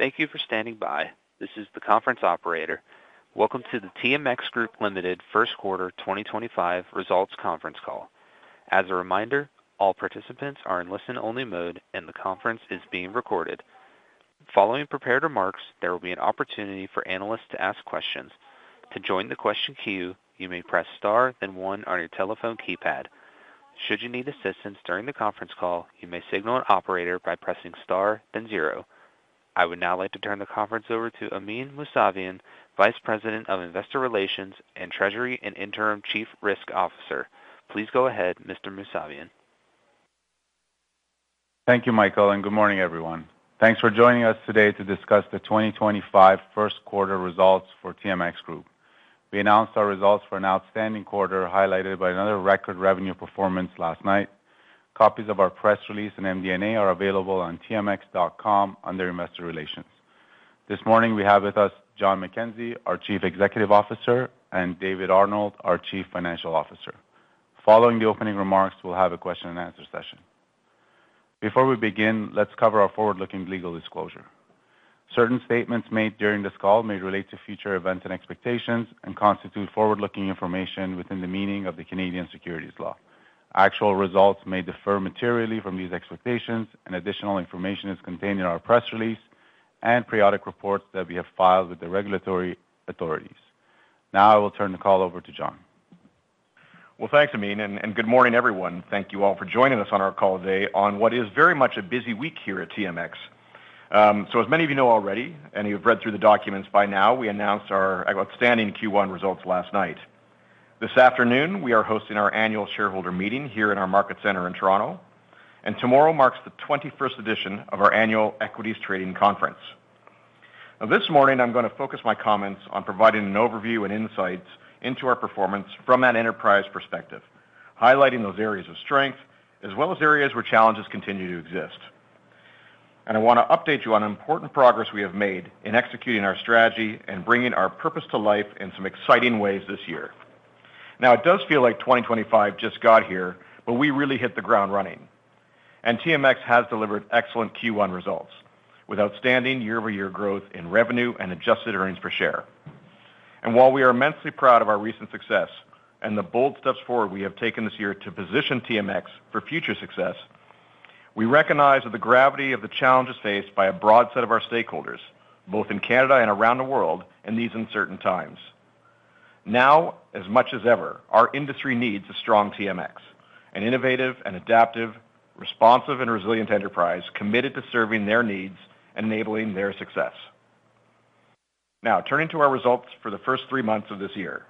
Thank you for standing by. This is the conference operator. Welcome to the TMX Group Limited first quarter 2025 results conference call. As a reminder, all participants are in listen-only mode, and the conference is being recorded. Following prepared remarks, there will be an opportunity for analysts to ask questions. To join the question queue, you may press star, then one on your telephone keypad. Should you need assistance during the conference call, you may signal an operator by pressing star, then zero. I would now like to turn the conference over to Amin Mousavian, Vice President of Investor Relations and Treasury and Interim Chief Risk Officer. Please go ahead, Mr. Mousavian. Thank you, Michael, and good morning, everyone. Thanks for joining us today to discuss the 2025 first quarter results for TMX Group. We announced our results for an outstanding quarter, highlighted by another record revenue performance last night. Copies of our press release and MD&A are available on TMX.com under investor relations. This morning, we have with us John McKenzie, our Chief Executive Officer, and David Arnold, our Chief Financial Officer. Following the opening remarks, we'll have a question-and-answer session. Before we begin, let's cover our forward-looking legal disclosure. Certain statements made during this call may relate to future events and expectations and constitute forward-looking information within the meaning of the Canadian securities law. Actual results may differ materially from these expectations, and additional information is contained in our press release and periodic reports that we have filed with the regulatory authorities. Now, I will turn the call over to John. Thanks, Amin, and good morning, everyone. Thank you all for joining us on our call today on what is very much a busy week here at TMX. As many of you know already, and you've read through the documents by now, we announced our outstanding Q1 results last night. This afternoon, we are hosting our annual shareholder meeting here in our market center in Toronto, and tomorrow marks the 21st edition of our annual equities trading conference. This morning, I'm going to focus my comments on providing an overview and insights into our performance from an enterprise perspective, highlighting those areas of strength as well as areas where challenges continue to exist. I want to update you on important progress we have made in executing our strategy and bringing our purpose to life in some exciting ways this year. Now, it does feel like 2025 just got here, but we really hit the ground running, and TMX has delivered excellent Q1 results with outstanding year-over-year growth in revenue and adjusted earnings per share. While we are immensely proud of our recent success and the bold steps forward we have taken this year to position TMX for future success, we recognize the gravity of the challenges faced by a broad set of our stakeholders, both in Canada and around the world, in these uncertain times. Now, as much as ever, our industry needs a strong TMX, an innovative and adaptive, responsive, and resilient enterprise committed to serving their needs and enabling their success. Now, turning to our results for the first three months of this year,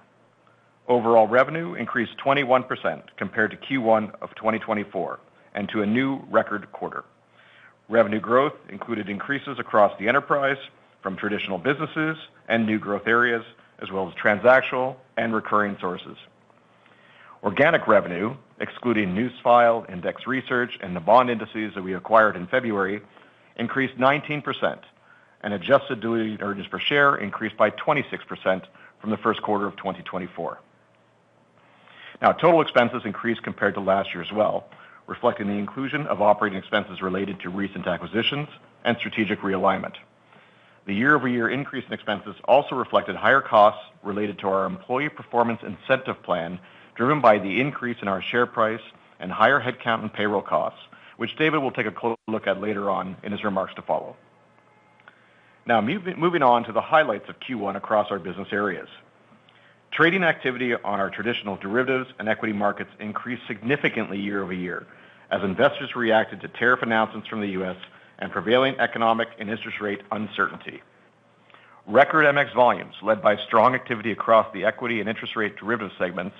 overall revenue increased 21% compared to Q1 of 2024 and to a new record quarter. Revenue growth included increases across the enterprise from traditional businesses and new growth areas, as well as transactional and recurring sources. Organic revenue, excluding Newsfile, Index Research, and the Bond Indices that we acquired in February, increased 19%, and adjusted diluted earnings per share increased by 26% from the first quarter of 2024. Now, total expenses increased compared to last year as well, reflecting the inclusion of operating expenses related to recent acquisitions and strategic realignment. The year-over-year increase in expenses also reflected higher costs related to our employee performance incentive plan, driven by the increase in our share price and higher headcount and payroll costs, which David will take a close look at later on in his remarks to follow. Now, moving on to the highlights of Q1 across our business areas. Trading activity on our traditional derivatives and equity markets increased significantly year-over-year as investors reacted to tariff announcements from the U.S. and prevailing economic and interest rate uncertainty. Record MX volumes, led by strong activity across the equity and interest rate derivative segments,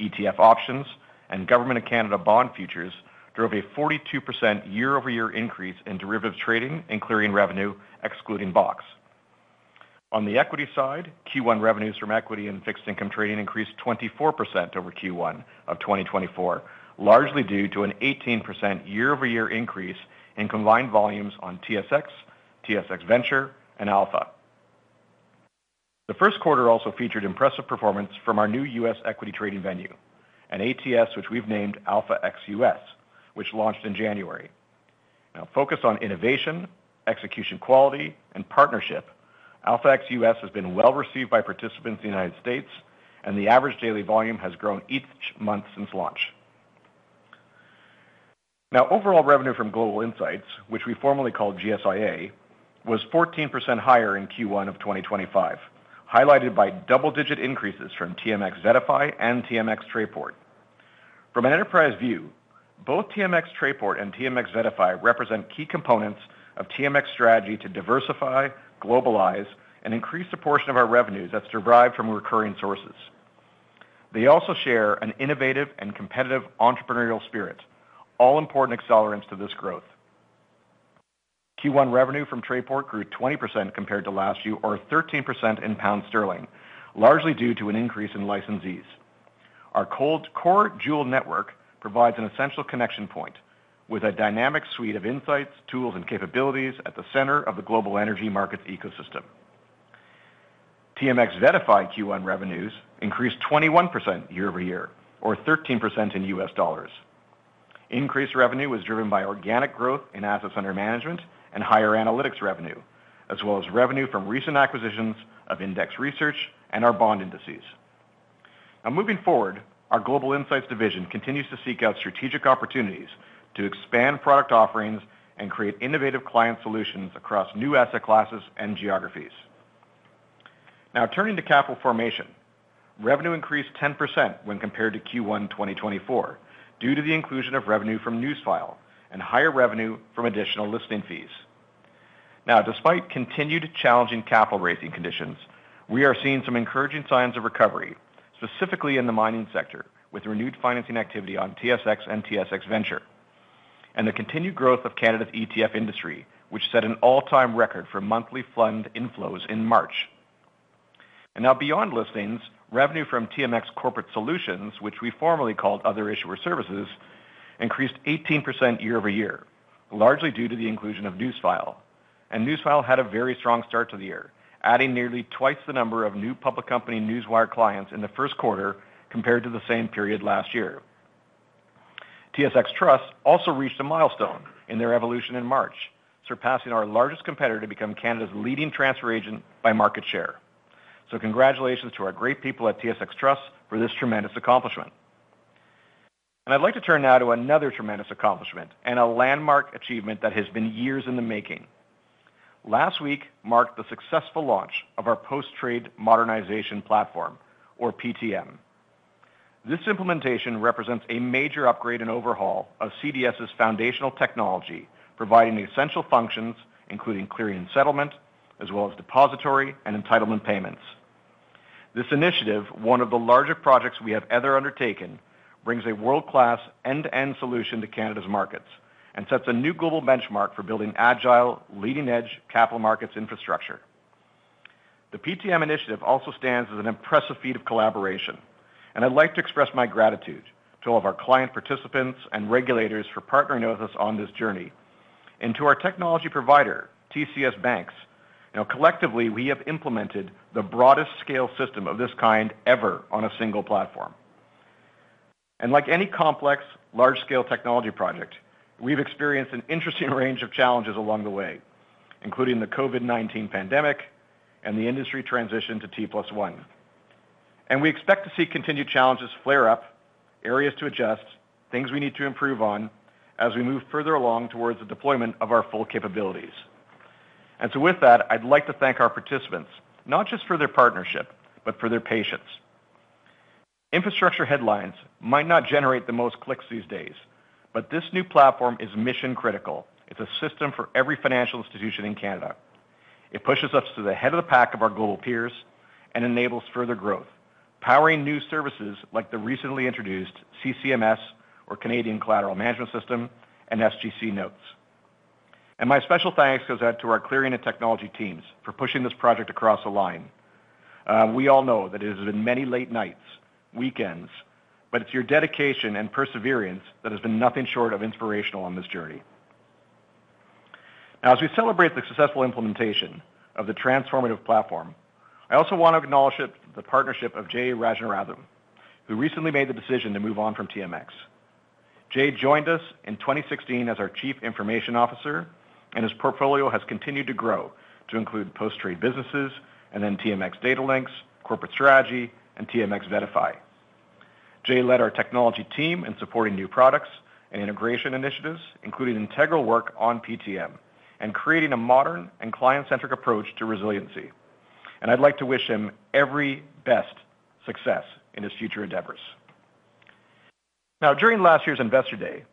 ETF options, and government of Canada bond futures, drove a 42% year-over-year increase in derivative trading, including revenue, excluding BOX. On the equity side, Q1 revenues from equity and fixed income trading increased 24% over Q1 of 2024, largely due to an 18% year-over-year increase in combined volumes on TSX, TSX Venture, and Alpha. The first quarter also featured impressive performance from our new U.S. equity trading venue, an ATS which we've named AlphaX US, which launched in January. Now, focused on innovation, execution quality, and partnership, AlphaX US has been well received by participants in the United States, and the average daily volume has grown each month since launch. Now, overall revenue from Global Insights, which we formerly called GSIA, was 14% higher in Q1 of 2025, highlighted by double-digit increases from TMX VettaFi and TMX Trayport. From an enterprise view, both TMX Trayport and TMX VettaFi represent key components of TMX's strategy to diversify, globalize, and increase the portion of our revenues that's derived from recurring sources. They also share an innovative and competitive entrepreneurial spirit, all important accelerants to this growth. Q1 revenue from Trayport grew 20% compared to last year, or 13% in GBP, largely due to an increase in licensees. Our cold core dual network provides an essential connection point with a dynamic suite of insights, tools, and capabilities at the center of the global energy markets ecosystem. TMX VettaFi Q1 revenues increased 21% year-over-year, or 13% in US dollars. Increased revenue was driven by organic growth in assets under management and higher analytics revenue, as well as revenue from recent acquisitions of index research and our bond indices. Now, moving forward, our Global Insights division continues to seek out strategic opportunities to expand product offerings and create innovative client solutions across new asset classes and geographies. Now, turning to capital formation, revenue increased 10% when compared to Q1 2024 due to the inclusion of revenue from Newsfile and higher revenue from additional listing fees. Now, despite continued challenging capital raising conditions, we are seeing some encouraging signs of recovery, specifically in the mining sector with renewed financing activity on TSX and TSX Venture and the continued growth of Canada's ETF industry, which set an all-time record for monthly fund inflows in March. Beyond listings, revenue from TMX Corporate Solutions, which we formerly called other issuer services, increased 18% year-over-year, largely due to the inclusion of Newsfile. Newsfile had a very strong start to the year, adding nearly twice the number of new public company newswire clients in the first quarter compared to the same period last year. TSX Trust also reached a milestone in their evolution in March, surpassing our largest competitor to become Canada's leading transfer agent by market share. Congratulations to our great people at TSX Trust for this tremendous accomplishment. I would like to turn now to another tremendous accomplishment and a landmark achievement that has been years in the making. Last week marked the successful launch of our post-trade modernization platform, or PTM. This implementation represents a major upgrade and overhaul of CDS's foundational technology, providing essential functions, including clearing and settlement, as well as depository and entitlement payments. This initiative, one of the larger projects we have ever undertaken, brings a world-class end-to-end solution to Canada's markets and sets a new global benchmark for building agile, leading-edge capital markets infrastructure. The PTM initiative also stands as an impressive feat of collaboration, and I would like to express my gratitude to all of our client participants and regulators for partnering with us on this journey and to our technology provider, TCS. Now, collectively, we have implemented the broadest scale system of this kind ever on a single platform. Like any complex, large-scale technology project, we've experienced an interesting range of challenges along the way, including the COVID-19 pandemic and the industry transition to T+1. We expect to see continued challenges flare up, areas to adjust, things we need to improve on as we move further along towards the deployment of our full capabilities. With that, I'd like to thank our participants, not just for their partnership, but for their patience. Infrastructure headlines might not generate the most clicks these days, but this new platform is mission-critical. It's a system for every financial institution in Canada. It pushes us to the head of the pack of our global peers and enables further growth, powering new services like the recently introduced CCMS, or Canadian Collateral Management System, and SGC Notes. My special thanks goes out to our clearing and technology teams for pushing this project across the line. We all know that it has been many late nights, weekends, but it's your dedication and perseverance that has been nothing short of inspirational on this journey. Now, as we celebrate the successful implementation of the transformative platform, I also want to acknowledge the partnership of Jayakumar Rajarathinam, who recently made the decision to move on from TMX. Jay joined us in 2016 as our Chief Information Officer, and his portfolio has continued to grow to include post-trade businesses and then TMX Datalinx, Corporate Strategy, and TMX VettaFi. Jay led our technology team in supporting new products and integration initiatives, including integral work on PTM and creating a modern and client-centric approach to resiliency. I would like to wish him every best success in his future endeavors. Now, during last year's Investor Day,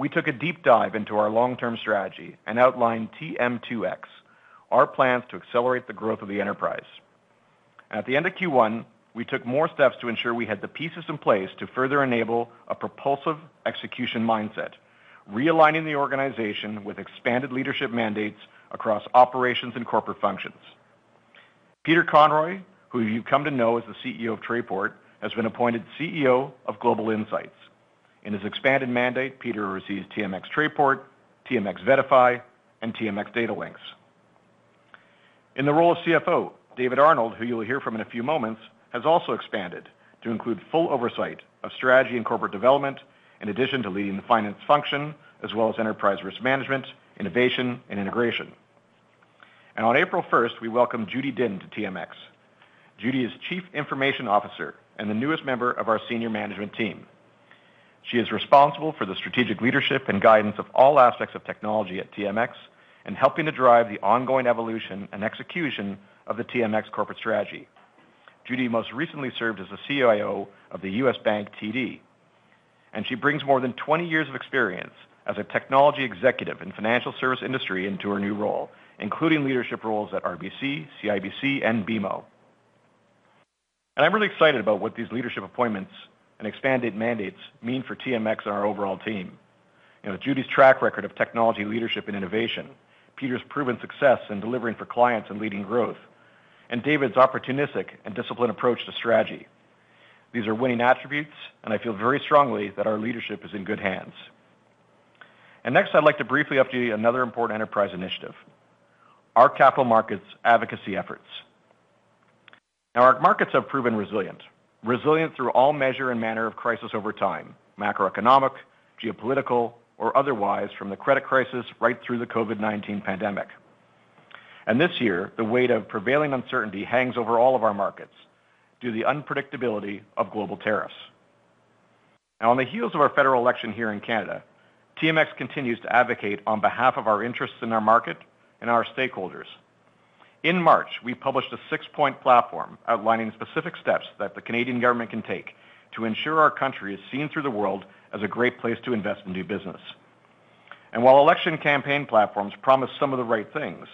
we took a deep dive into our long-term strategy and outlined TMX, our plans to accelerate the growth of the enterprise. At the end of Q1, we took more steps to ensure we had the pieces in place to further enable a propulsive execution mindset, realigning the organization with expanded leadership mandates across operations and corporate functions. Peter Conroy, who you've come to know as the CEO of Trayport, has been appointed CEO of Global Insights. In his expanded mandate, Peter oversees TMX Trayport, TMX VettaFi, and TMX Datalinx. In the role of CFO, David Arnold, who you'll hear from in a few moments, has also expanded to include full oversight of strategy and corporate development, in addition to leading the finance function, as well as enterprise risk management, innovation, and integration. On April 1st, we welcome Judy Dinh to TMX. Judy is Chief Information Officer and the newest member of our senior management team. She is responsible for the strategic leadership and guidance of all aspects of technology at TMX and helping to drive the ongoing evolution and execution of the TMX corporate strategy. Judy most recently served as the CIO of the U.S. Bank TD, and she brings more than 20 years of experience as a technology executive in the financial service industry into her new role, including leadership roles at RBC, CIBC, and BMO. I am really excited about what these leadership appointments and expanded mandates mean for TMX and our overall team. With Judy's track record of technology leadership and innovation, Peter's proven success in delivering for clients and leading growth, and David's opportunistic and disciplined approach to strategy, these are winning attributes, and I feel very strongly that our leadership is in good hands. Next, I'd like to briefly update another important enterprise initiative, our capital markets advocacy efforts. Our markets have proven resilient, resilient through all measure and manner of crisis over time, macroeconomic, geopolitical, or otherwise, from the credit crisis right through the COVID-19 pandemic. This year, the weight of prevailing uncertainty hangs over all of our markets due to the unpredictability of global tariffs. On the heels of our federal election here in Canada, TMX continues to advocate on behalf of our interests in our market and our stakeholders. In March, we published a six-point platform outlining specific steps that the Canadian government can take to ensure our country is seen through the world as a great place to invest and do business. While election campaign platforms promise some of the right things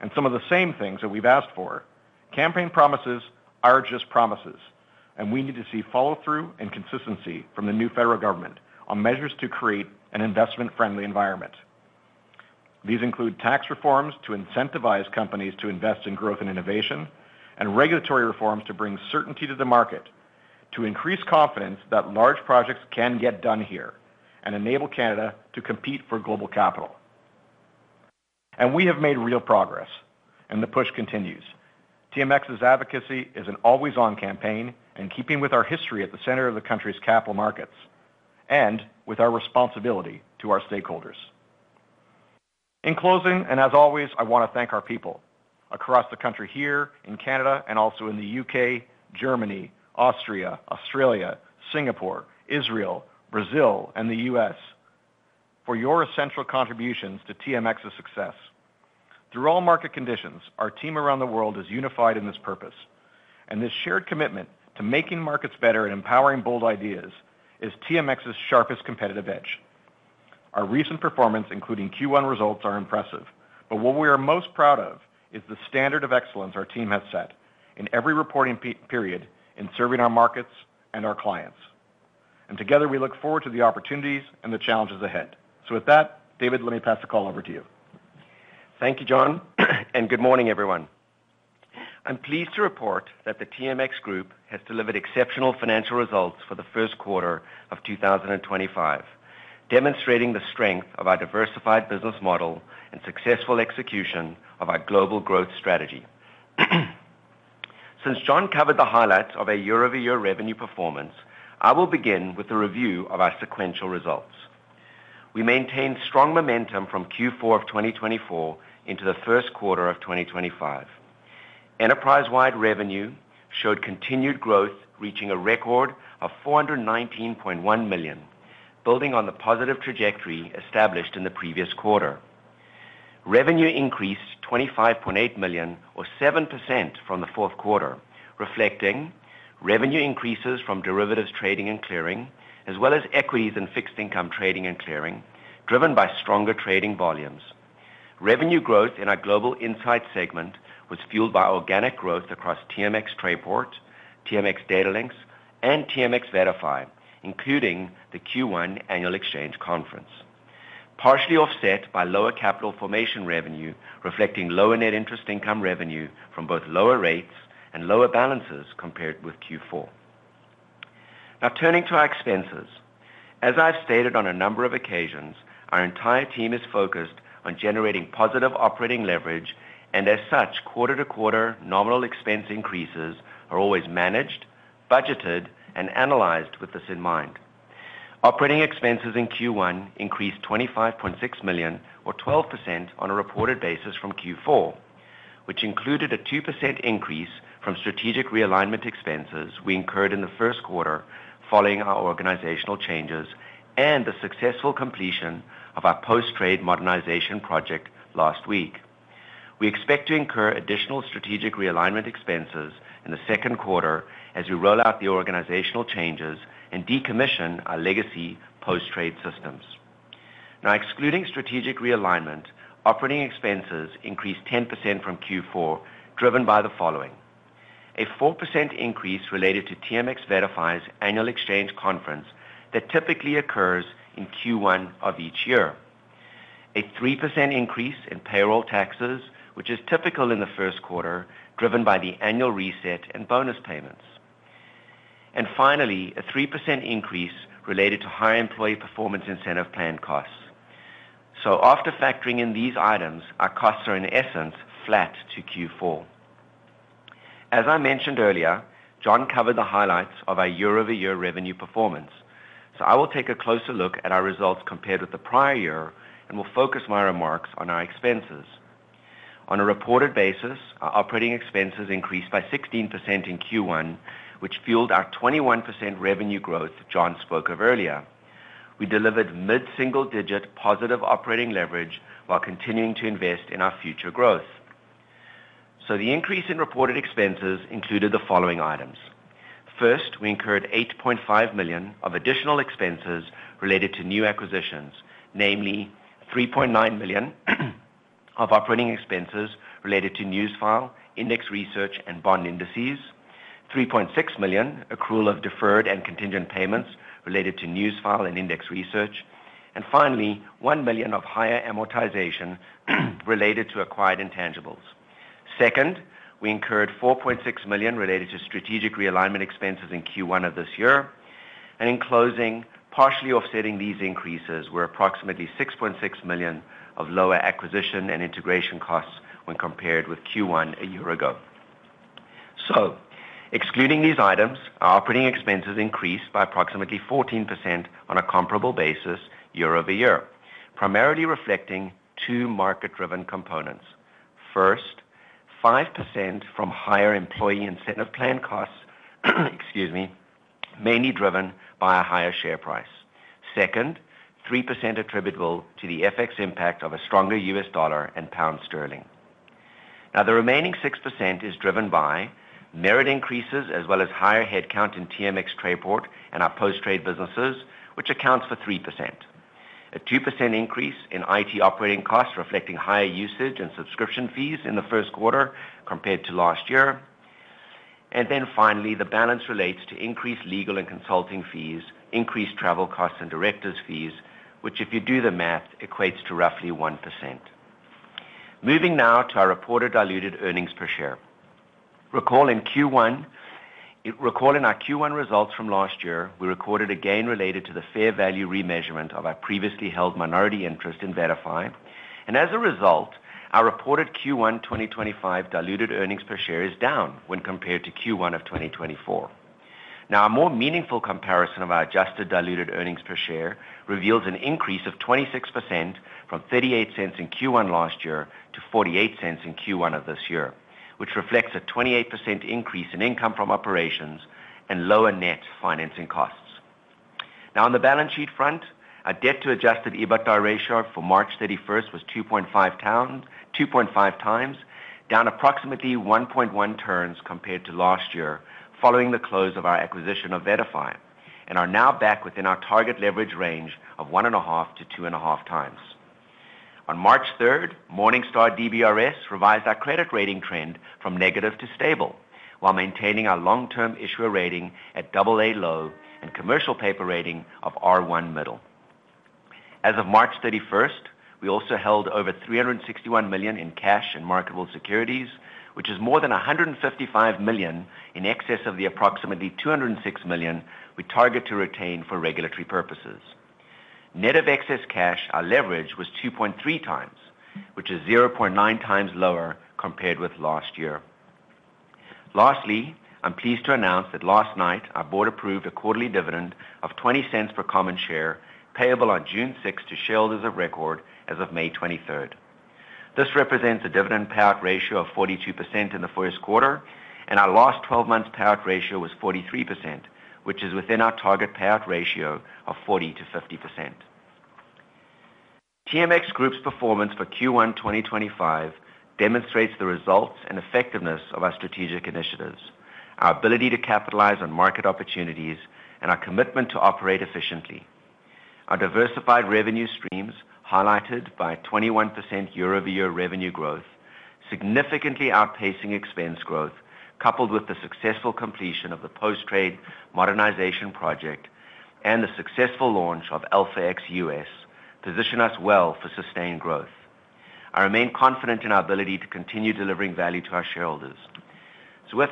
and some of the same things that we've asked for, campaign promises are just promises, and we need to see follow-through and consistency from the new federal government on measures to create an investment-friendly environment. These include tax reforms to incentivize companies to invest in growth and innovation and regulatory reforms to bring certainty to the market, to increase confidence that large projects can get done here and enable Canada to compete for global capital. We have made real progress, and the push continues. TMX's advocacy is an always-on campaign in keeping with our history at the center of the country's capital markets and with our responsibility to our stakeholders. In closing, and as always, I want to thank our people across the country here, in Canada, and also in the U.K., Germany, Austria, Australia, Singapore, Israel, Brazil, and the US for your essential contributions to TMX's success. Through all market conditions, our team around the world is unified in this purpose, and this shared commitment to making markets better and empowering bold ideas is TMX's sharpest competitive edge. Our recent performance, including Q1 results, is impressive, but what we are most proud of is the standard of excellence our team has set in every reporting period in serving our markets and our clients. Together, we look forward to the opportunities and the challenges ahead. With that, David, let me pass the call over to you. Thank you, John, and good morning, everyone. I'm pleased to report that the TMX Group has delivered exceptional financial results for the first quarter of 2025, demonstrating the strength of our diversified business model and successful execution of our global growth strategy. Since John covered the highlights of our year-over-year revenue performance, I will begin with a review of our sequential results. We maintained strong momentum from Q4 of 2024 into the first quarter of 2025. Enterprise-wide revenue showed continued growth, reaching a record of 419.1 million, building on the positive trajectory established in the previous quarter. Revenue increased 25.8 million, or 7%, from the fourth quarter, reflecting revenue increases from derivatives trading and clearing, as well as equities and fixed income trading and clearing, driven by stronger trading volumes. Revenue growth in our Global Insights segment was fueled by organic growth across TMX Trayport, TMX Datalinx, and TMX VettaFi, including the Q1 annual exchange conference, partially offset by lower capital formation revenue, reflecting lower net interest income revenue from both lower rates and lower balances compared with Q4. Now, turning to our expenses, as I've stated on a number of occasions, our entire team is focused on generating positive operating leverage, and as such, quarter-to-quarter nominal expense increases are always managed, budgeted, and analyzed with this in mind. Operating expenses in Q1 increased 25.6 million, or 12%, on a reported basis from Q4, which included a 2% increase from strategic realignment expenses we incurred in the first quarter following our organizational changes and the successful completion of our post-trade modernization project last week. We expect to incur additional strategic realignment expenses in the second quarter as we roll out the organizational changes and decommission our legacy post-trade systems. Now, excluding strategic realignment, operating expenses increased 10% from Q4, driven by the following: a 4% increase related to TMX VettaFi's annual exchange conference that typically occurs in Q1 of each year, a 3% increase in payroll taxes, which is typical in the first quarter, driven by the annual reset and bonus payments, and finally, a 3% increase related to higher employee performance incentive plan costs. After factoring in these items, our costs are in essence flat to Q4. As I mentioned earlier, John covered the highlights of our year-over-year revenue performance, so I will take a closer look at our results compared with the prior year and will focus my remarks on our expenses. On a reported basis, our operating expenses increased by 16% in Q1, which fueled our 21% revenue growth John spoke of earlier. We delivered mid-single-digit positive operating leverage while continuing to invest in our future growth. The increase in reported expenses included the following items. First, we incurred 8.5 million of additional expenses related to new acquisitions, namely 3.9 million of operating expenses related to Newsfile, Index Research, and Bond Indices; 3.6 million accrual of deferred and contingent payments related to Newsfile and Index Research; and finally, 1 million of higher amortization related to acquired intangibles. Second, we incurred 4.6 million related to strategic realignment expenses in Q1 of this year. In closing, partially offsetting these increases were approximately 6.6 million of lower acquisition and integration costs when compared with Q1 a year ago. Excluding these items, our operating expenses increased by approximately 14% on a comparable basis year-over-year, primarily reflecting two market-driven components. First, 5% from higher employee incentive plan costs, excuse me, mainly driven by a higher share price. Second, 3% attributable to the FX impact of a stronger US dollar and pound sterling. Now, the remaining 6% is driven by merit increases as well as higher headcount in TMX Trayport and our post-trade businesses, which accounts for 3%. A 2% increase in IT operating costs reflecting higher usage and subscription fees in the first quarter compared to last year. Finally, the balance relates to increased legal and consulting fees, increased travel costs, and directors' fees, which, if you do the math, equates to roughly 1%. Moving now to our reported diluted earnings per share. Recall in Q1, recall in our Q1 results from last year, we recorded a gain related to the fair value remeasurement of our previously held minority interest in VettaFi, and as a result, our reported Q1 2025 diluted earnings per share is down when compared to Q1 of 2024. Now, a more meaningful comparison of our adjusted diluted earnings per share reveals an increase of 26% from $0.38 in Q1 last year to $0.48 in Q1 of this year, which reflects a 28% increase in income from operations and lower net financing costs. Now, on the balance sheet front, our debt-to-adjusted EBITDA ratio for March 31st was 2.5x, down approximately 1.1 turns compared to last year following the close of our acquisition of VettaFi, and are now back within our target leverage range of 1.5-2.5x. On March 3rd, Morningstar DBRS revised our credit rating trend from negative to stable while maintaining our long-term issuer rating at AA low and commercial paper rating of R1 middle. As of March 31st, we also held over 361 million in cash and marketable securities, which is more than 155 million in excess of the approximately 206 million we target to retain for regulatory purposes. Net of excess cash, our leverage was 2.3 times, which is 0.9 times lower compared with last year. Lastly, I'm pleased to announce that last night, our board approved a quarterly dividend of $0.20 per common share payable on June 6th to shareholders of record as of May 23rd. This represents a dividend payout ratio of 42% in the first quarter, and our last 12 months payout ratio was 43%, which is within our target payout ratio of 40%-50%. TMX Group's performance for Q1 2025 demonstrates the results and effectiveness of our strategic initiatives, our ability to capitalize on market opportunities, and our commitment to operate efficiently. Our diversified revenue streams, highlighted by 21% year-over-year revenue growth, significantly outpacing expense growth, coupled with the successful completion of the post-trade modernization project and the successful launch of AlphaX US, position us well for sustained growth. I remain confident in our ability to continue delivering value to our shareholders. I will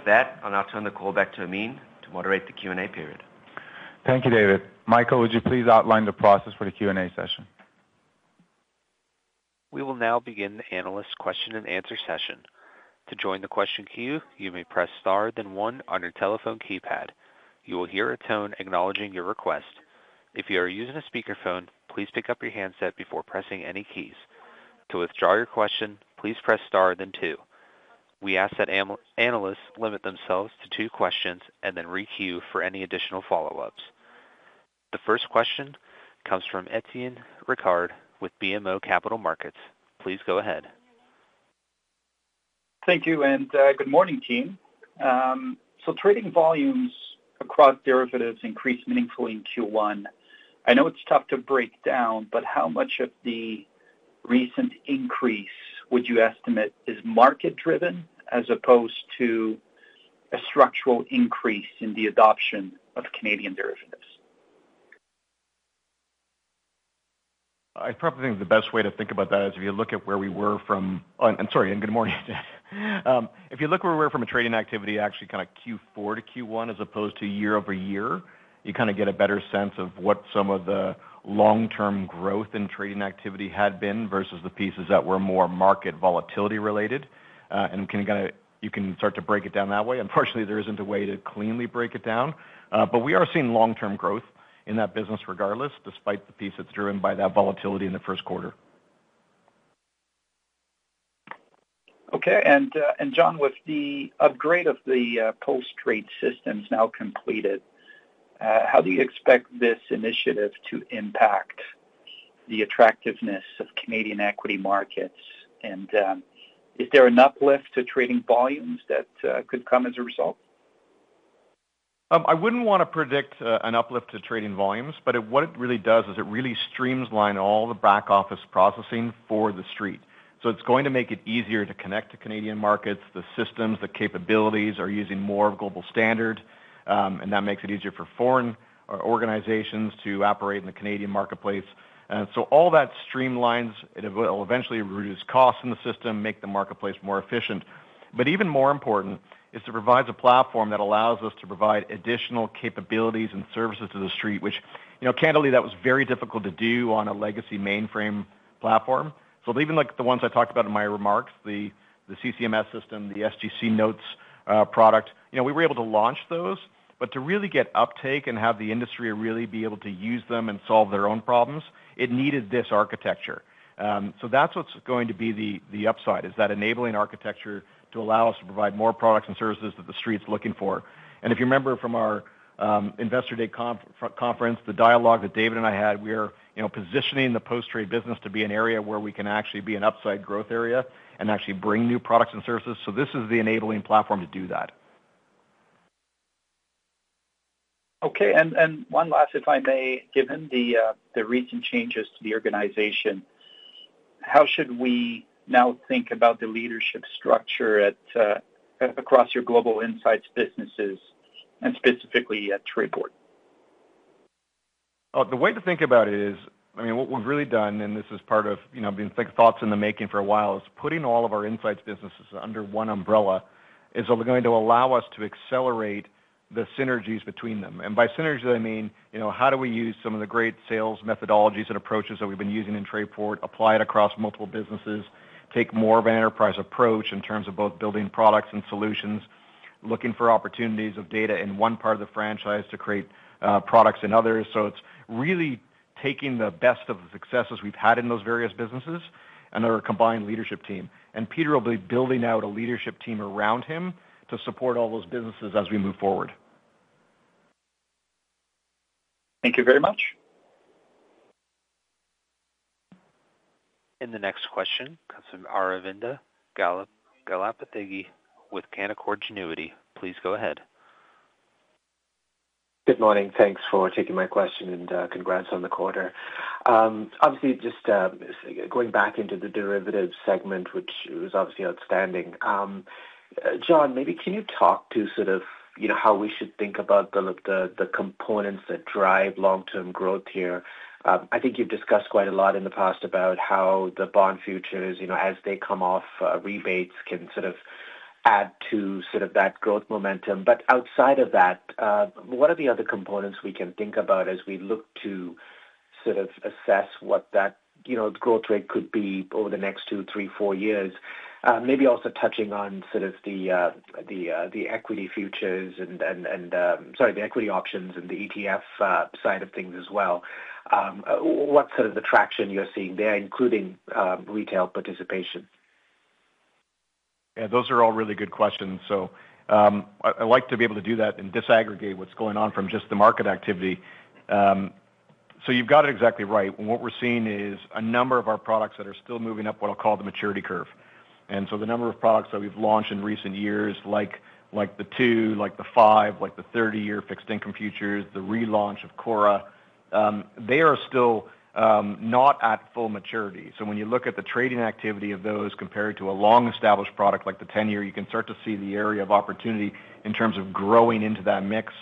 now turn the call back to Amin to moderate the Q&A period. Thank you, David. Michael, would you please outline the process for the Q&A session? We will now begin the analyst question and answer session. To join the question queue, you may press star then one on your telephone keypad. You will hear a tone acknowledging your request. If you are using a speakerphone, please pick up your handset before pressing any keys. To withdraw your question, please press star then two. We ask that analysts limit themselves to two questions and then re-queue for any additional follow-ups. The first question comes from Étienne Ricard with BMO Capital Markets. Please go ahead. Thank you and good morning, team. Trading volumes across derivatives increased meaningfully in Q1. I know it's tough to break down, but how much of the recent increase would you estimate is market-driven as opposed to a structural increase in the adoption of Canadian derivatives? I probably think the best way to think about that is if you look at where we were from—I'm sorry, and good morning. If you look where we were from a trading activity, actually kind of Q4 to Q1 as opposed to year-over-year, you kind of get a better sense of what some of the long-term growth in trading activity had been versus the pieces that were more market volatility related. You can start to break it down that way. Unfortunately, there isn't a way to cleanly break it down, but we are seeing long-term growth in that business regardless, despite the piece that's driven by that volatility in the first quarter. Okay. John, with the upgrade of the post-trade systems now completed, how do you expect this initiative to impact the attractiveness of Canadian equity markets? Is there an uplift to trading volumes that could come as a result? I wouldn't want to predict an uplift to trading volumes, but what it really does is it really streamlines all the back office processing for the street. It is going to make it easier to connect to Canadian markets. The systems, the capabilities are using more of global standards, and that makes it easier for foreign organizations to operate in the Canadian marketplace. All that streamlines, it will eventually reduce costs in the system, make the marketplace more efficient. Even more important is to provide a platform that allows us to provide additional capabilities and services to the street, which candidly, that was very difficult to do on a legacy mainframe platform. Even like the ones I talked about in my remarks, the CCMS system, the SGC Notes product, we were able to launch those. To really get uptake and have the industry really be able to use them and solve their own problems, it needed this architecture. That is what is going to be the upside, is that enabling architecture to allow us to provide more products and services that the street's looking for. If you remember from our investor day conference, the dialogue that David and I had, we are positioning the post-trade business to be an area where we can actually be an upside growth area and actually bring new products and services. This is the enabling platform to do that. Okay. One last, if I may, given the recent changes to the organization, how should we now think about the leadership structure across your global insights businesses and specifically at Trayport? The way to think about it is, I mean, what we've really done, and this is part of being thoughts in the making for a while, is putting all of our insights businesses under one umbrella is going to allow us to accelerate the synergies between them. By synergy, I mean, how do we use some of the great sales methodologies and approaches that we've been using in Trayport, apply it across multiple businesses, take more of an enterprise approach in terms of both building products and solutions, looking for opportunities of data in one part of the franchise to create products in others. It is really taking the best of the successes we've had in those various businesses and our combined leadership team. Peter will be building out a leadership team around him to support all those businesses as we move forward. Thank you very much. The next question comes from Aravinda Galappatthige with Canaccord Genuity. Please go ahead. Good morning. Thanks for taking my question and congrats on the quarter. Obviously, just going back into the dervatives segment, which was obviously outstanding. John, maybe can you talk to sort of how we should think about the components that drive long-term growth here? I think you've discussed quite a lot in the past about how the bond futures, as they come off rebates, can sort of add to sort of that growth momentum. Outside of that, what are the other components we can think about as we look to sort of assess what that growth rate could be over the next two, three, four years? Maybe also touching on sort of the equity futures and, sorry, the equity options and the ETF side of things as well. What sort of attraction you're seeing there, including retail participation? Yeah, those are all really good questions. I like to be able to do that and disaggregate what's going on from just the market activity. You've got it exactly right. What we're seeing is a number of our products that are still moving up what I'll call the maturity curve. The number of products that we've launched in recent years, like the two, like the five, like the 30-year fixed income futures, the relaunch of Cora, they are still not at full maturity. When you look at the trading activity of those compared to a long-established product like the 10-year, you can start to see the area of opportunity in terms of growing into that mix.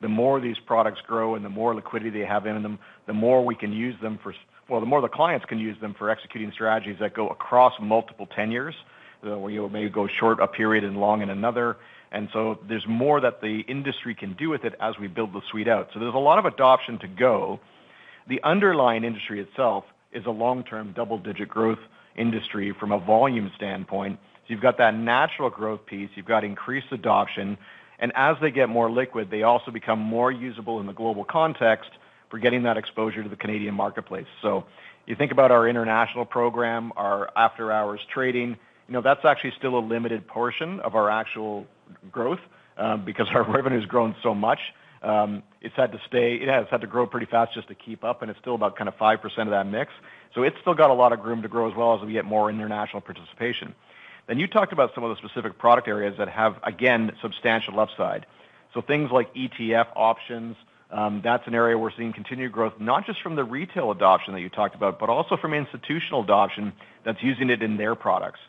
The more these products grow and the more liquidity they have in them, the more we can use them for, well, the more the clients can use them for executing strategies that go across multiple 10 years, where you may go short a period and long in another. There is more that the industry can do with it as we build the suite out. There is a lot of adoption to go. The underlying industry itself is a long-term double-digit growth industry from a volume standpoint. You have that natural growth piece, you have increased adoption, and as they get more liquid, they also become more usable in the global context for getting that exposure to the Canadian marketplace. You think about our international program, our after-hours trading, that is actually still a limited portion of our actual growth because our revenue has grown so much. It's had to stay; it has had to grow pretty fast just to keep up, and it's still about kind of 5% of that mix. It still has a lot of room to grow as well as we get more international participation. You talked about some of the specific product areas that have, again, substantial upside. Things like ETF options, that's an area we're seeing continued growth, not just from the retail adoption that you talked about, but also from institutional adoption that's using it in their products.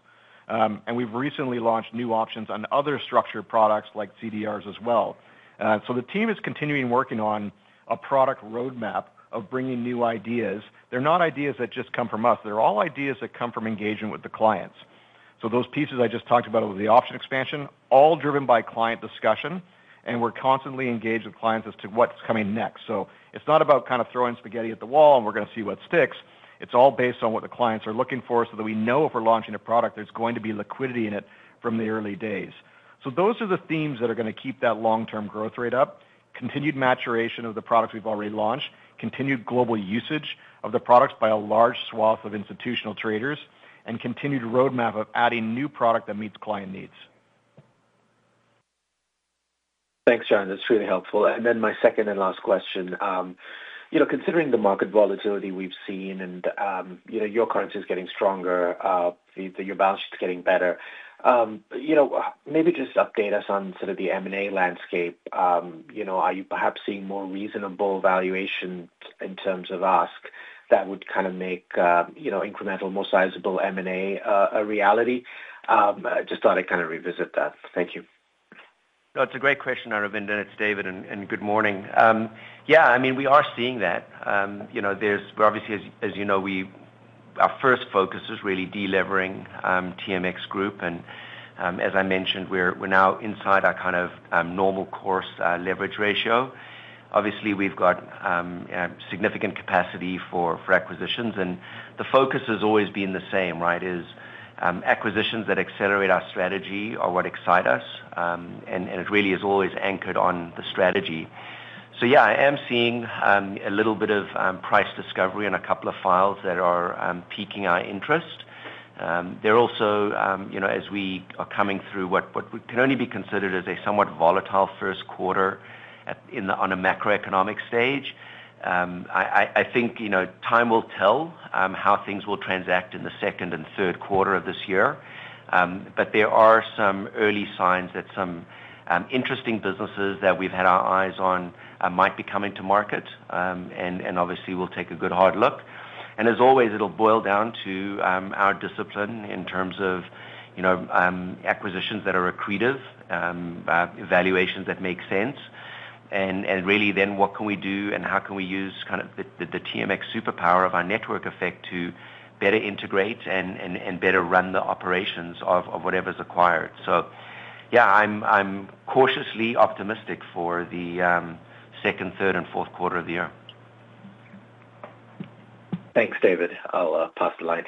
We've recently launched new options on other structured products like CDRs as well. The team is continuing working on a product roadmap of bringing new ideas. They're not ideas that just come from us. They're all ideas that come from engagement with the clients. Those pieces I just talked about with the option expansion, all driven by client discussion, and we're constantly engaged with clients as to what's coming next. It's not about kind of throwing spaghetti at the wall and we're going to see what sticks. It's all based on what the clients are looking for so that we know if we're launching a product, there's going to be liquidity in it from the early days. Those are the themes that are going to keep that long-term growth rate up, continued maturation of the products we've already launched, continued global usage of the products by a large swath of institutional traders, and continued roadmap of adding new product that meets client needs. Thanks, John. That's really helpful. And then my second and last question, considering the market volatility we have seen and your currency is getting stronger, your balance sheet is getting better, maybe just update us on sort of the M&A landscape. Are you perhaps seeing more reasonable valuation in terms of ask that would kind of make incremental, more sizable M&A a reality? Just thought I would kind of revisit that. Thank you. No, it is a great question, Aravinda, and it is David, and good morning. Yeah, I mean, we are seeing that. Obviously, as you know, our first focus is really delivering TMX Group. As I mentioned, we are now inside our kind of normal course leverage ratio. Obviously, we have significant capacity for acquisitions, and the focus has always been the same, right, is acquisitions that accelerate our strategy are what excite us. It really is always anchored on the strategy. Yeah, I am seeing a little bit of price discovery on a couple of files that are piquing our interest. They're also, as we are coming through what can only be considered as a somewhat volatile first quarter on a macroeconomic stage. I think time will tell how things will transact in the second and third quarter of this year. There are some early signs that some interesting businesses that we've had our eyes on might be coming to market. Obviously, we'll take a good hard look. As always, it'll boil down to our discipline in terms of acquisitions that are accretive, valuations that make sense. Really then what can we do and how can we use kind of the TMX superpower of our network effect to better integrate and better run the operations of whatever's acquired. Yeah, I'm cautiously optimistic for the second, third, and fourth quarter of the year. Thanks, David. I'll pass the line.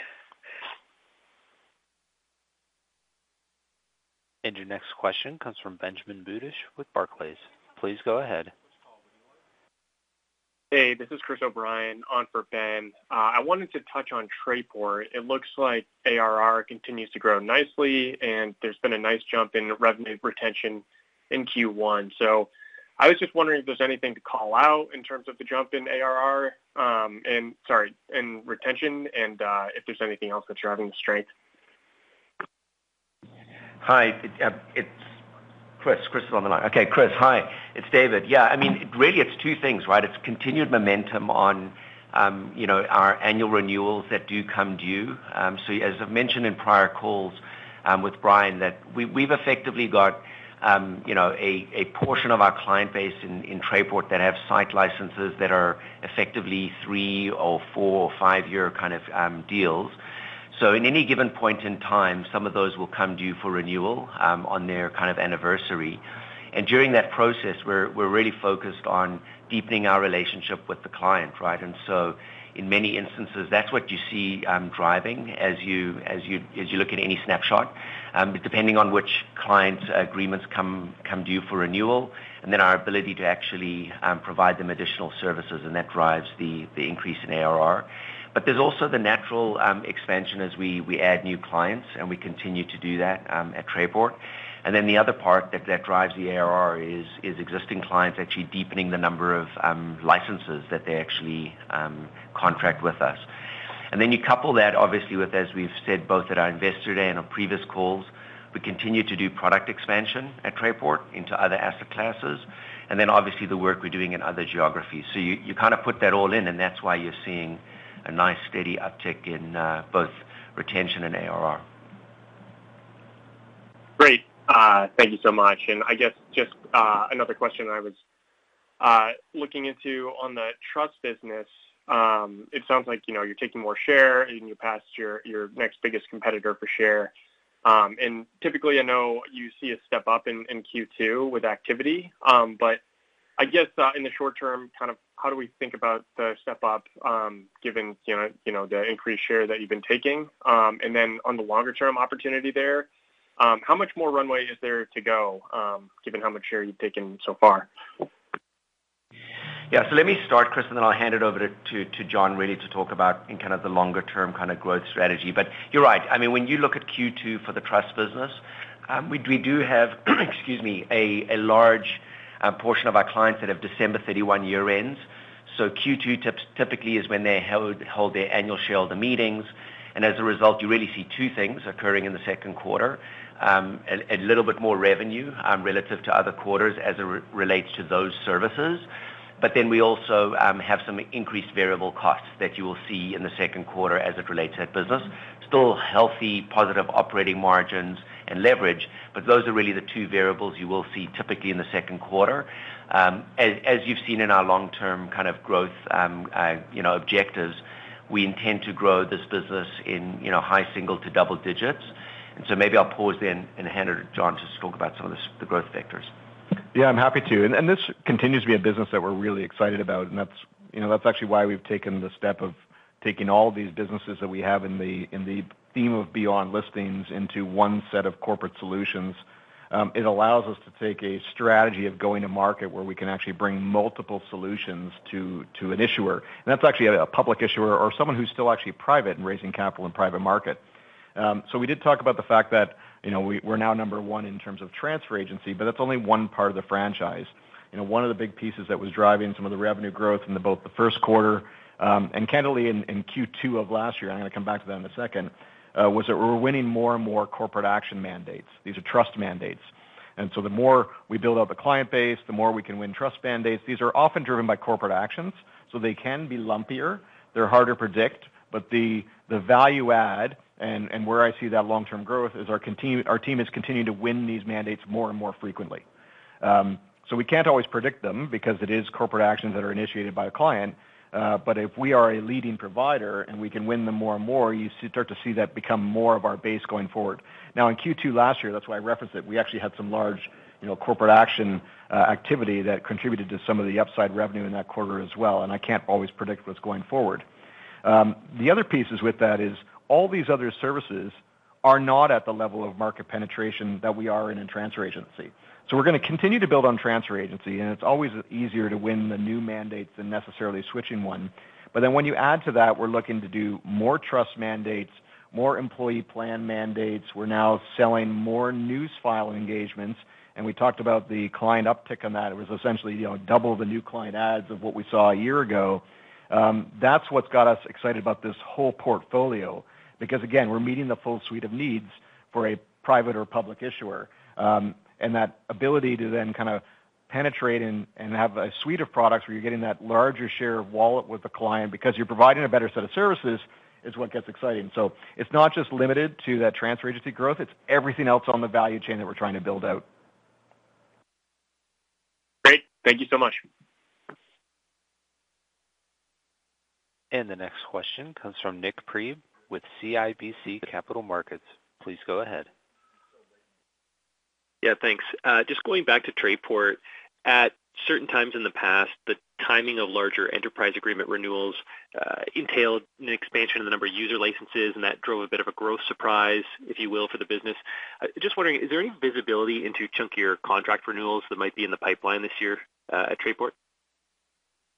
Your next question comes from Benjamin Budish with Barclays. Please go ahead. Hey, this is Chris O'Brien on for Ben. I wanted to touch on Trayport. It looks like ARR continues to grow nicely, and there's been a nice jump in revenue retention in Q1. I was just wondering if there's anything to call out in terms of the jump in ARR and, sorry, in retention, and if there's anything else that's driving the strength. Hi, it's Chris. Chris is on the line. Okay, Chris. Hi. It's David. Yeah. I mean, really it's two things, right? It's continued momentum on our annual renewals that do come due. As I've mentioned in prior calls with Brian, we've effectively got a portion of our client base in Trayport that have site licenses that are effectively three- or four- or five-year kind of deals. At any given point in time, some of those will come due for renewal on their anniversary. During that process, we're really focused on deepening our relationship with the client, right? In many instances, that's what you see driving as you look at any snapshot, depending on which client agreements come due for renewal, and then our ability to actually provide them additional services, and that drives the increase in ARR. There's also the natural expansion as we add new clients, and we continue to do that at Trayport. The other part that drives the ARR is existing clients actually deepening the number of licenses that they actually contract with us. You couple that, obviously, with, as we have said, both at our investor day and on previous calls, we continue to do product expansion at Trayport into other asset classes, and obviously the work we are doing in other geographies. You kind of put that all in, and that is why you are seeing a nice steady uptick in both retention and ARR. Great. Thank you so much. I guess just another question I was looking into on the trust business, it sounds like you are taking more share and you passed your next biggest competitor for share. Typically, I know you see a step up in Q2 with activity. I guess in the short term, kind of how do we think about the step up given the increased share that you've been taking? In the longer-term opportunity there, how much more runway is there to go given how much share you've taken so far? Yeah. Let me start, Chris, and then I'll hand it over to John really to talk about in kind of the longer-term kind of growth strategy. You're right. I mean, when you look at Q2 for the trust business, we do have, excuse me, a large portion of our clients that have December 31 year-ends. Q2 typically is when they hold their annual shareholder meetings. As a result, you really see two things occurring in the second quarter: a little bit more revenue relative to other quarters as it relates to those services. But then we also have some increased variable costs that you will see in the second quarter as it relates to that business. Still healthy, positive operating margins and leverage, but those are really the two variables you will see typically in the second quarter. As you have seen in our long-term kind of growth objectives, we intend to grow this business in high single to double digits. Maybe I will pause then and hand it to John to talk about some of the growth factors. Yeah, I am happy to. This continues to be a business that we are really excited about. That is actually why we have taken the step of taking all these businesses that we have in the theme of Beyond Listings into one set of corporate solutions. It allows us to take a strategy of going to market where we can actually bring multiple solutions to an issuer. That is actually a public issuer or someone who is still actually private and raising capital in private market. We did talk about the fact that we are now number one in terms of transfer agency, but that is only one part of the franchise. One of the big pieces that was driving some of the revenue growth in both the first quarter and, candidly, in Q2 of last year, and I am going to come back to that in a second, was that we were winning more and more corporate action mandates. These are trust mandates. The more we build out the client base, the more we can win trust mandates. These are often driven by corporate actions, so they can be lumpier. They're harder to predict, but the value add and where I see that long-term growth is our team is continuing to win these mandates more and more frequently. We can't always predict them because it is corporate actions that are initiated by a client. If we are a leading provider and we can win them more and more, you start to see that become more of our base going forward. In Q2 last year, that's why I referenced it, we actually had some large corporate action activity that contributed to some of the upside revenue in that quarter as well. I can't always predict what's going forward. The other pieces with that is all these other services are not at the level of market penetration that we are in a transfer agency. We're going to continue to build on transfer agency, and it's always easier to win the new mandates than necessarily switching one. When you add to that, we're looking to do more trust mandates, more employee plan mandates. We're now selling more Newsfile engagements. We talked about the client uptick on that. It was essentially double the new client adds of what we saw a year ago. That's what's got us excited about this whole portfolio because, again, we're meeting the full suite of needs for a private or public issuer. That ability to then kind of penetrate and have a suite of products where you're getting that larger share of wallet with the client because you're providing a better set of services is what gets exciting. It's not just limited to that transfer agency growth. It's everything else on the value chain that we're trying to build out. Great. Thank you so much. The next question comes from Nik Priebe with CIBC Capital Markets. Please go ahead. Yeah, thanks. Just going back to Trayport, at certain times in the past, the timing of larger enterprise agreement renewals entailed an expansion in the number of user licenses, and that drove a bit of a growth surprise, if you will, for the business. Just wondering, is there any visibility into chunkier contract renewals that might be in the pipeline this year at Trayport?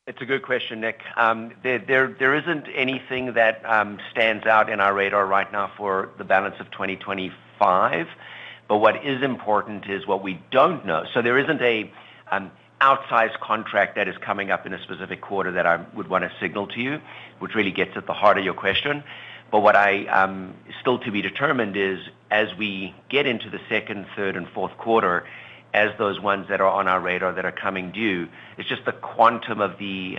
It's a good question, Nik. There isn't anything that stands out in our radar right now for the balance of 2025. What is important is what we don't know. There isn't an outsized contract that is coming up in a specific quarter that I would want to signal to you, which really gets at the heart of your question. What is still to be determined is, as we get into the second, third, and fourth quarter, as those ones that are on our radar that are coming due, it's just the quantum of the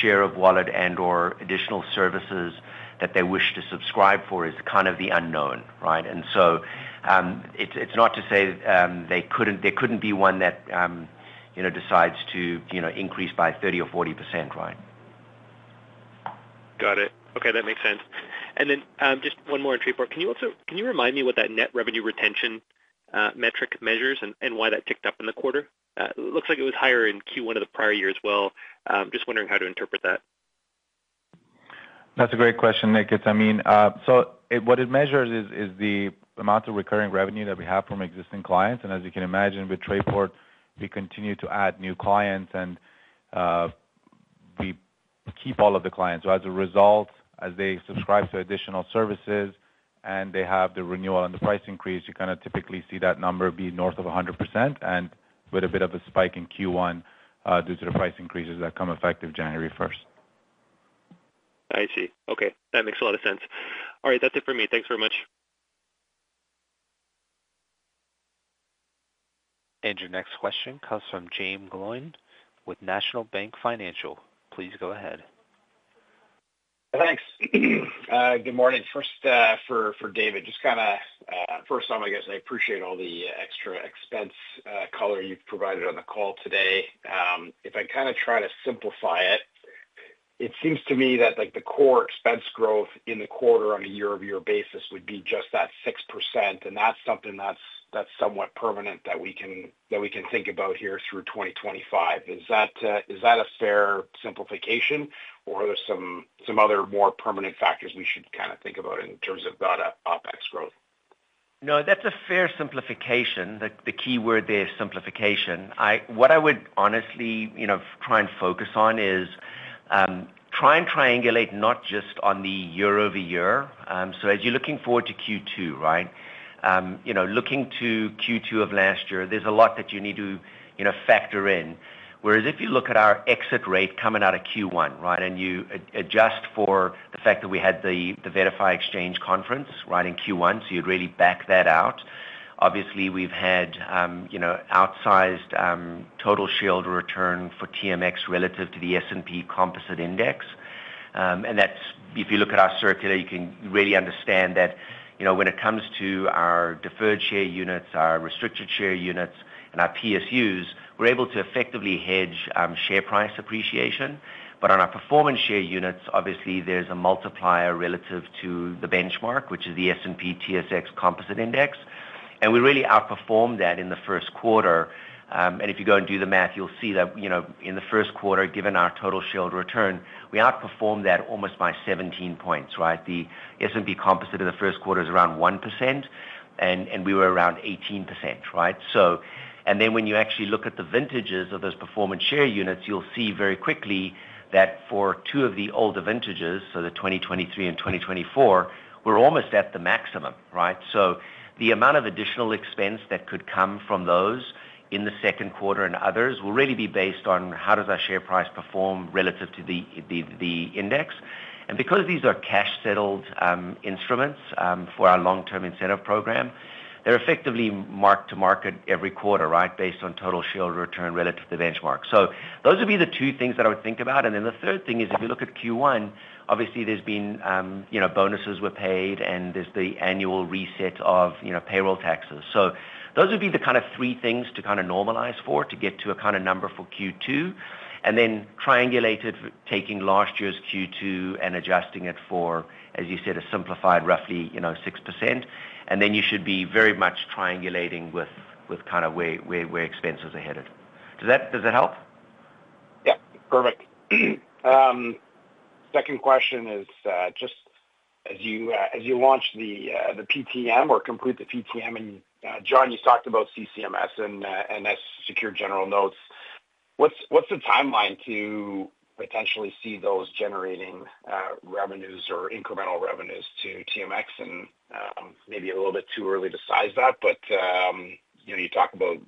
share of wallet and/or additional services that they wish to subscribe for is kind of the unknown, right? It's not to say they couldn't be one that decides to increase by 30% or 40%, right? Got it. Okay, that makes sense. Just one more in Trayport. Can you remind me what that net revenue retention metric measures and why that ticked up in the quarter? It looks like it was higher in Q1 of the prior year as well. Just wondering how to interpret that. That's a great question, Nik. I mean, so what it measures is the amount of recurring revenue that we have from existing clients. And as you can imagine, with Trayport, we continue to add new clients, and we keep all of the clients. As a result, as they subscribe to additional services and they have the renewal and the price increase, you kind of typically see that number be north of 100% and with a bit of a spike in Q1 due to the price increases that come effective January 1. I see. Okay. That makes a lot of sense. All right, that's it for me. Thanks very much. Your next question comes from Jaeme Gloyn with National Bank Financial. Please go ahead. Thanks. Good morning. First, for David, just kind of first off, I guess I appreciate all the extra expense color you've provided on the call today. If I kind of try to simplify it, it seems to me that the core expense growth in the quarter on a year-over-year basis would be just that 6%. And that's something that's somewhat permanent that we can think about here through 2025. Is that a fair simplification, or are there some other more permanent factors we should kind of think about in terms of that OpEx growth? No, that's a fair simplification. The keyword there is simplification. What I would honestly try and focus on is try and triangulate not just on the year-over-year. As you're looking forward to Q2, right, looking to Q2 of last year, there's a lot that you need to factor in. Whereas if you look at our exit rate coming out of Q1, right, and you adjust for the fact that we had the VettaFi Exchange conference, right, in Q1, so you'd really back that out. Obviously, we've had outsized total shareholder return for TMX relative to the S&P/TSX Composite Index. If you look at our circular, you can really understand that when it comes to our deferred share units, our restricted share units, and our PSUs, we're able to effectively hedge share price appreciation. On our performance share units, obviously, there's a multiplier relative to the benchmark, which is the S&P/TSX Composite Index. We really outperformed that in the first quarter. If you go and do the math, you'll see that in the first quarter, given our total shareholder return, we outperformed that almost by 17 percentage points, right? The S&P Composite of the first quarter is around 1%, and we were around 18%, right? When you actually look at the vintages of those performance share units, you'll see very quickly that for two of the older vintages, so the 2023 and 2024, we're almost at the maximum, right? The amount of additional expense that could come from those in the second quarter and others will really be based on how does our share price perform relative to the index. Because these are cash-settled instruments for our long-term incentive program, they're effectively marked to market every quarter, right, based on total shareholder return relative to the benchmark. Those would be the two things that I would think about. The third thing is, if you look at Q1, obviously, bonuses were paid, and there's the annual reset of payroll taxes. Those would be the kind of three things to kind of normalize for to get to a kind of number for Q2, and then triangulate it, taking last year's Q2 and adjusting it for, as you said, a simplified roughly 6%. You should be very much triangulating with kind of where expenses are headed. Does that help? Yeah. Perfect. Second question is, just as you launch the PTM or complete the PTM, and John, you talked about CCMS and Secure General Notes. What's the timeline to potentially see those generating revenues or incremental revenues to TMX? Maybe a little bit too early to size that, but you talk about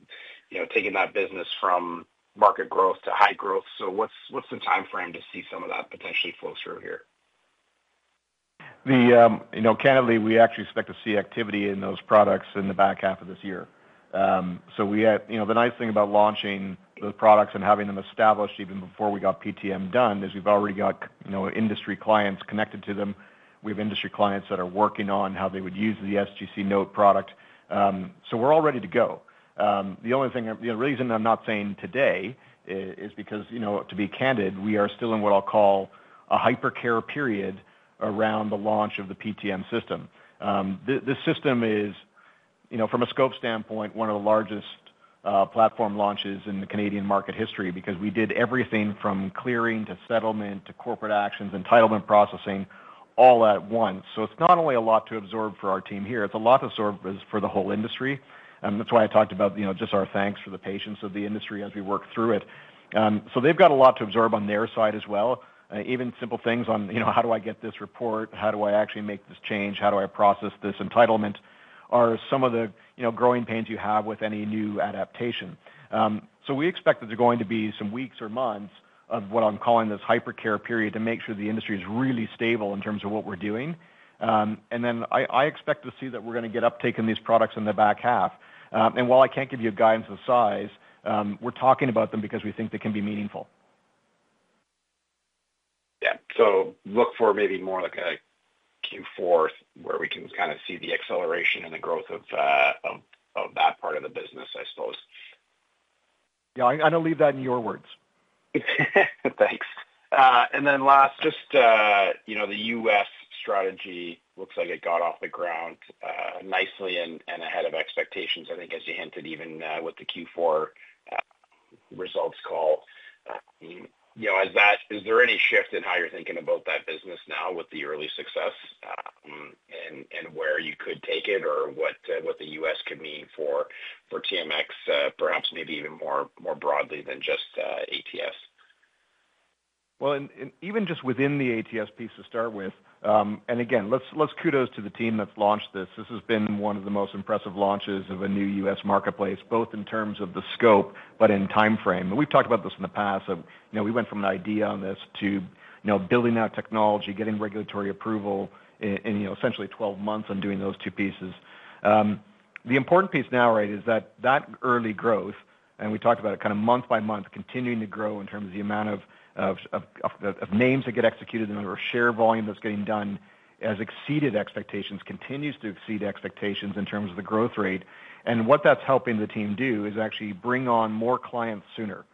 taking that business from market growth to high growth. What is the timeframe to see some of that potentially flow through here? Candidly, we actually expect to see activity in those products in the back half of this year. The nice thing about launching those products and having them established even before we got PTM done is we've already got industry clients connected to them. We have industry clients that are working on how they would use the SGC Note product. We're all ready to go. The only reason I'm not saying today is because, to be candid, we are still in what I'll call a hypercare period around the launch of the PTM system. This system is, from a scope standpoint, one of the largest platform launches in Canadian market history because we did everything from clearing to settlement to corporate actions, entitlement processing, all at once. It's not only a lot to absorb for our team here. It's a lot to absorb for the whole industry. That's why I talked about just our thanks for the patience of the industry as we work through it. They've got a lot to absorb on their side as well. Even simple things on, "How do I get this report? How do I actually make this change? How do I process this entitlement?" are some of the growing pains you have with any new adaptation. We expect that there's going to be some weeks or months of what I'm calling this hypercare period to make sure the industry is really stable in terms of what we're doing. I expect to see that we're going to get uptake in these products in the back half. While I can't give you a guidance of size, we're talking about them because we think they can be meaningful. Yeah. Look for maybe more like a Q4 where we can kind of see the acceleration and the growth of that part of the business, I suppose. Yeah. I'm going to leave that in your words. Thanks. Last, just the US strategy looks like it got off the ground nicely and ahead of expectations, I think, as you hinted even with the Q4 results call. Is there any shift in how you're thinking about that business now with the early success and where you could take it or what the US could mean for TMX, perhaps maybe even more broadly than just ATS? Even just within the ATS piece to start with, again, kudos to the team that's launched this. This has been one of the most impressive launches of a new US marketplace, both in terms of the scope but in timeframe. We have talked about this in the past. We went from an idea on this to building out technology, getting regulatory approval in essentially 12 months on doing those two pieces. The important piece now, right, is that that early growth, and we talked about it kind of month by month, continuing to grow in terms of the amount of names that get executed and the number of share volume that is getting done has exceeded expectations, continues to exceed expectations in terms of the growth rate. What that is helping the team do is actually bring on more clients sooner.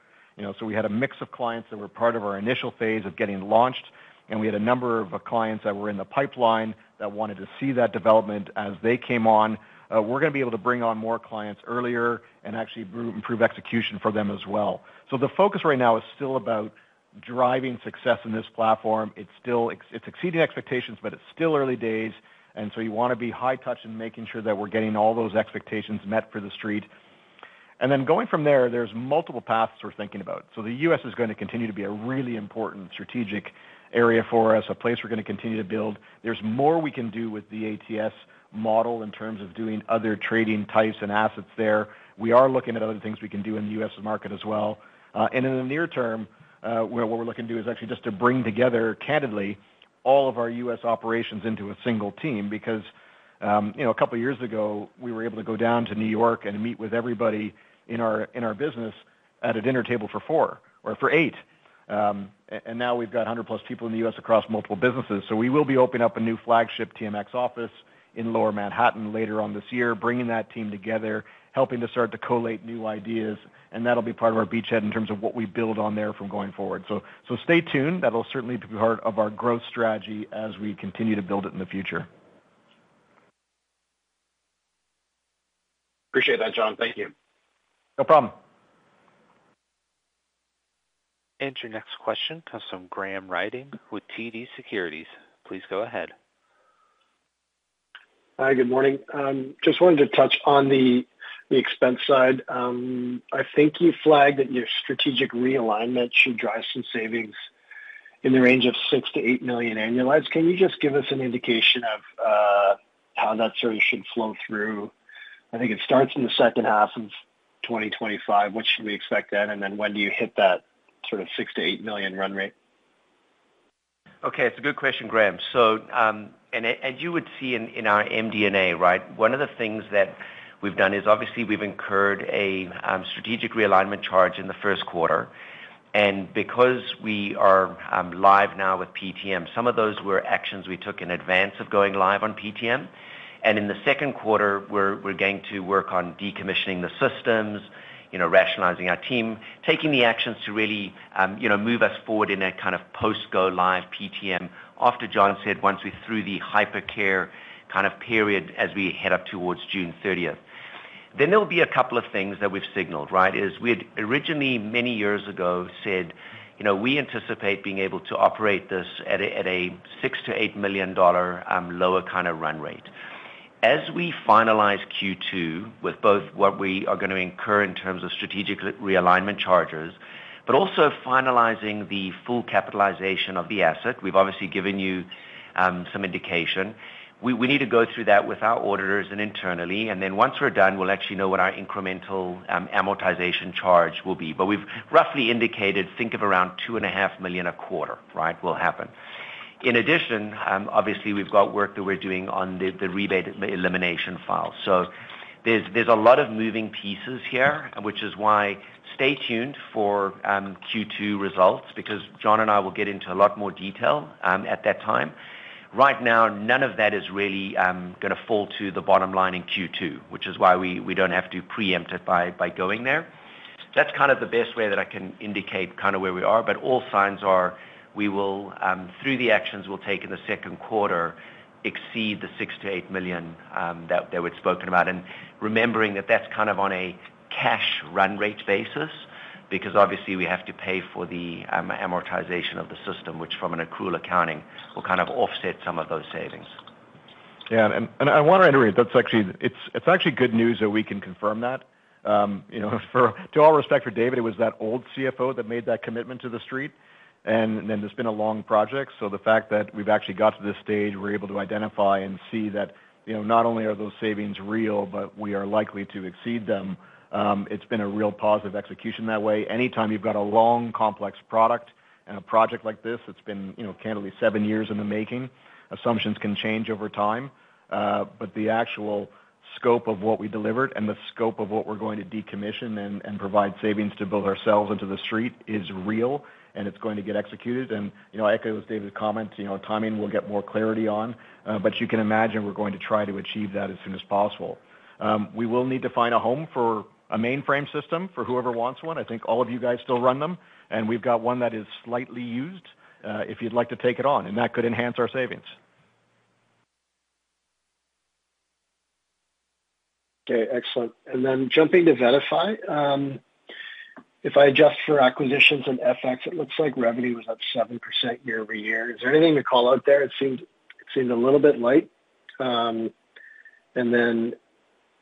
We had a mix of clients that were part of our initial phase of getting launched, and we had a number of clients that were in the pipeline that wanted to see that development as they came on. We're going to be able to bring on more clients earlier and actually improve execution for them as well. The focus right now is still about driving success in this platform. It's exceeding expectations, but it's still early days. You want to be high touch in making sure that we're getting all those expectations met for the street. Going from there, there's multiple paths we're thinking about. The US is going to continue to be a really important strategic area for us, a place we're going to continue to build. There's more we can do with the ATS model in terms of doing other trading types and assets there. We are looking at other things we can do in the US market as well. In the near-term, what we're looking to do is actually just to bring together, candidly, all of our US operations into a single team because a couple of years ago, we were able to go down to New York and meet with everybody in our business at a dinner table for four or for eight. Now we've got 100-plus people in the US across multiple businesses. We will be opening up a new flagship TMX office in Lower Manhattan later on this year, bringing that team together, helping to start to collate new ideas. That will be part of our beachhead in terms of what we build on there going forward. Stay tuned. That will certainly be part of our growth strategy as we continue to build it in the future. Appreciate that, John. Thank you. No problem. Your next question comes from Graham Ryding with TD Securities. Please go ahead. Hi, good morning. Just wanted to touch on the expense side. I think you flagged that your strategic realignment should drive some savings in the range of 6 million-8 million annualized. Can you just give us an indication of how that sort of should flow through? I think it starts in the second half of 2025. What should we expect then? When do you hit that sort of 6 million-8 million run rate? Okay. It's a good question, Graham. You would see in our MD&A, right, one of the things that we've done is obviously we've incurred a strategic realignment charge in the first quarter. Because we are live now with PTM, some of those were actions we took in advance of going live on PTM. In the second quarter, we're going to work on decommissioning the systems, rationalizing our team, taking the actions to really move us forward in a kind of post-go-live PTM, after John said once we threw the hypercare kind of period as we head up towards June 30. There will be a couple of things that we've signaled, right, is we had originally many years ago said we anticipate being able to operate this at a 6 million-8 million dollar lower kind of run rate. As we finalize Q2 with both what we are going to incur in terms of strategic realignment charges, but also finalizing the full capitalization of the asset, we've obviously given you some indication. We need to go through that with our auditors and internally. Once we're done, we'll actually know what our incremental amortization charge will be. We have roughly indicated think of around $2.5 million a quarter, right, will happen. In addition, obviously, we have work that we are doing on the rebate elimination file. There are a lot of moving pieces here, which is why stay tuned for Q2 results because John and I will get into a lot more detail at that time. Right now, none of that is really going to fall to the bottom line in Q2, which is why we do not have to preempt it by going there. That is kind of the best way that I can indicate kind of where we are. All signs are we will, through the actions we will take in the second quarter, exceed the $6 million-$8 million that we had spoken about. Remembering that that is kind of on a cash run rate basis because obviously we have to pay for the amortization of the system, which from an accrual accounting will kind of offset some of those savings. Yeah. I want to reiterate, it is actually good news that we can confirm that. To all respect for David, it was that old CFO that made that commitment to the street. There has been a long project. The fact that we have actually got to this stage, we are able to identify and see that not only are those savings real, but we are likely to exceed them. It has been a real positive execution that way. Anytime you have got a long, complex product and a project like this, it has been candidly seven years in the making. Assumptions can change over time. The actual scope of what we delivered and the scope of what we are going to decommission and provide savings to build ourselves into the street is real, and it is going to get executed. I echo David's comment, timing we will get more clarity on. You can imagine we are going to try to achieve that as soon as possible. We will need to find a home for a mainframe system for whoever wants one. I think all of you guys still run them. We have one that is slightly used if you would like to take it on. That could enhance our savings. Okay. Excellent. Jumping to VettaFi, if I adjust for acquisitions and FX, it looks like revenue was up 7% year-over-year. Is there anything to call out there? It seems a little bit light. Then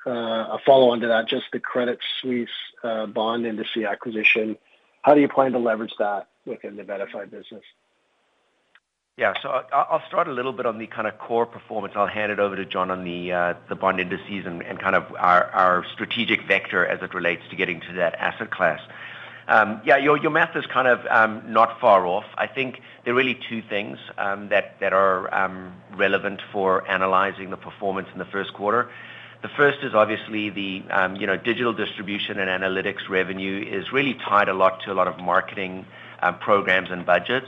a follow-on to that, just the Credit Suisse bond indices acquisition. How do you plan to leverage that within the VettaFi business? Yeah. I'll start a little bit on the kind of core performance. I'll hand it over to John on the bond indices and kind of our strategic vector as it relates to getting to that asset class. Yeah. Your math is kind of not far off. I think there are really two things that are relevant for analyzing the performance in the first quarter. The first is obviously the digital distribution and analytics revenue is really tied a lot to a lot of marketing programs and budgets.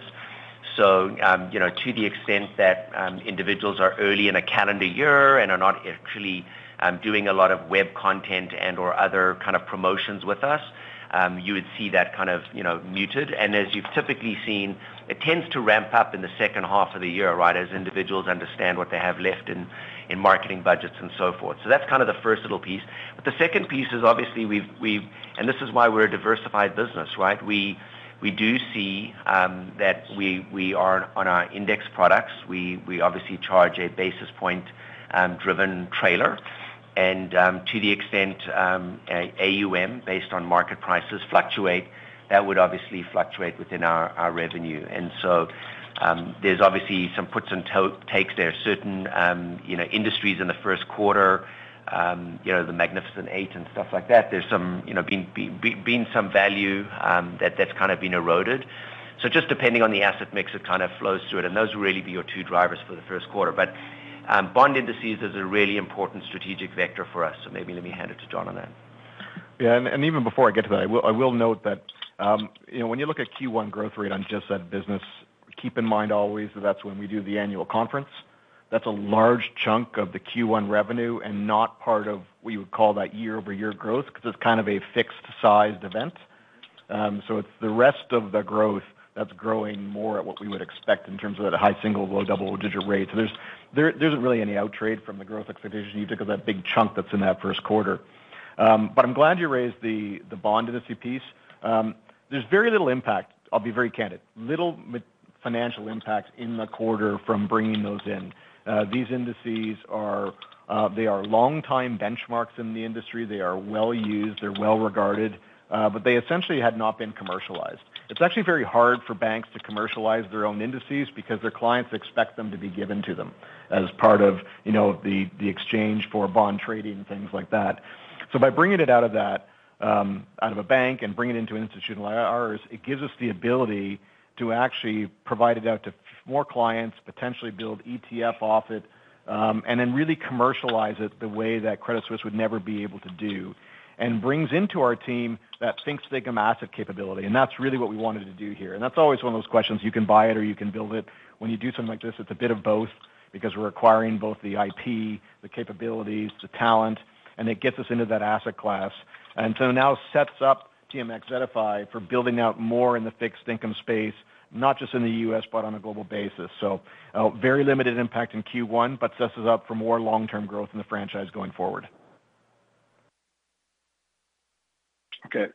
To the extent that individuals are early in a calendar year and are not actually doing a lot of web content and/or other kind of promotions with us, you would see that kind of muted. As you've typically seen, it tends to ramp up in the second half of the year, right, as individuals understand what they have left in marketing budgets and so forth. That is kind of the first little piece. The second piece is obviously we've, and this is why we're a diversified business, right? We do see that we are on our index products. We obviously charge a basis point-driven trailer. To the extent AUM, based on market prices, fluctuate, that would obviously fluctuate within our revenue. There are obviously some puts and takes there. Certain industries in the first quarter, the Magnificent Eight and stuff like that, there has been some value that has kind of been eroded. Just depending on the asset mix, it kind of flows through it. Those will really be your two drivers for the first quarter. Bond indices is a really important strategic vector for us. Maybe let me hand it to John on that. Yeah. Even before I get to that, I will note that when you look at Q1 growth rate on just that business, keep in mind always that is when we do the annual conference. That is a large chunk of the Q1 revenue and not part of what you would call that year-over-year growth because it is kind of a fixed-sized event. It is the rest of the growth that is growing more at what we would expect in terms of that high single, low double-digit rate. There is not really any outtrade from the growth expectation you took of that big chunk that is in that first quarter. I am glad you raised the bond indices piece. There is very little impact. I will be very candid. Little financial impact in the quarter from bringing those in. These indices, they are long-time benchmarks in the industry. They are well-used. They're well-regarded. They essentially had not been commercialized. It's actually very hard for banks to commercialize their own indices because their clients expect them to be given to them as part of the exchange for bond trading, things like that. By bringing it out of a bank and bringing it into an institution like ours, it gives us the ability to actually provide it out to more clients, potentially build ETF off it, and then really commercialize it the way that Credit Suisse would never be able to do. It brings into our team that think-asset capability. That's really what we wanted to do here. That's always one of those questions. You can buy it or you can build it. When you do something like this, it's a bit of both because we're acquiring both the IP, the capabilities, the talent, and it gets us into that asset class. It now sets up TMX VettaFi for building out more in the fixed-income space, not just in the US, but on a global basis. Very limited impact in Q1, but sets us up for more long-term growth in the franchise going forward. Okay.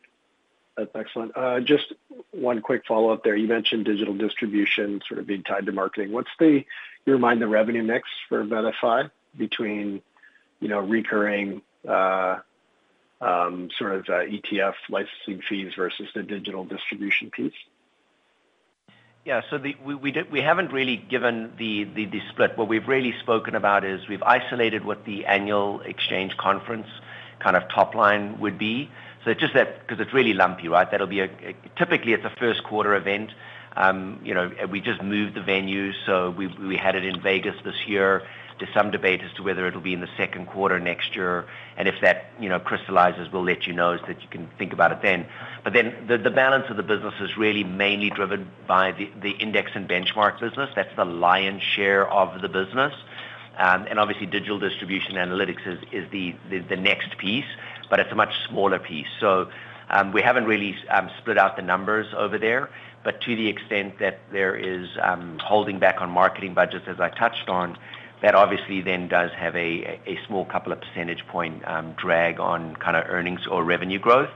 That's excellent. Just one quick follow-up there. You mentioned digital distribution sort of being tied to marketing. What's the, in your mind, the revenue mix for VettaFi between recurring sort of ETF licensing fees versus the digital distribution piece? Yeah. We haven't really given the split. What we've really spoken about is we've isolated what the annual exchange conference kind of topline would be. Just that because it's really lumpy, right? That'll be a typically, it's a first-quarter event. We just moved the venue. We had it in Vegas this year. There's some debate as to whether it'll be in the second quarter next year. If that crystallizes, we'll let you know so that you can think about it then. The balance of the business is really mainly driven by the index and benchmark business. That's the lion's share of the business. Obviously, digital distribution analytics is the next piece, but it's a much smaller piece. We haven't really split out the numbers over there. To the extent that there is holding back on marketing budgets, as I touched on, that obviously then does have a small couple of percentage point drag on kind of earnings or revenue growth.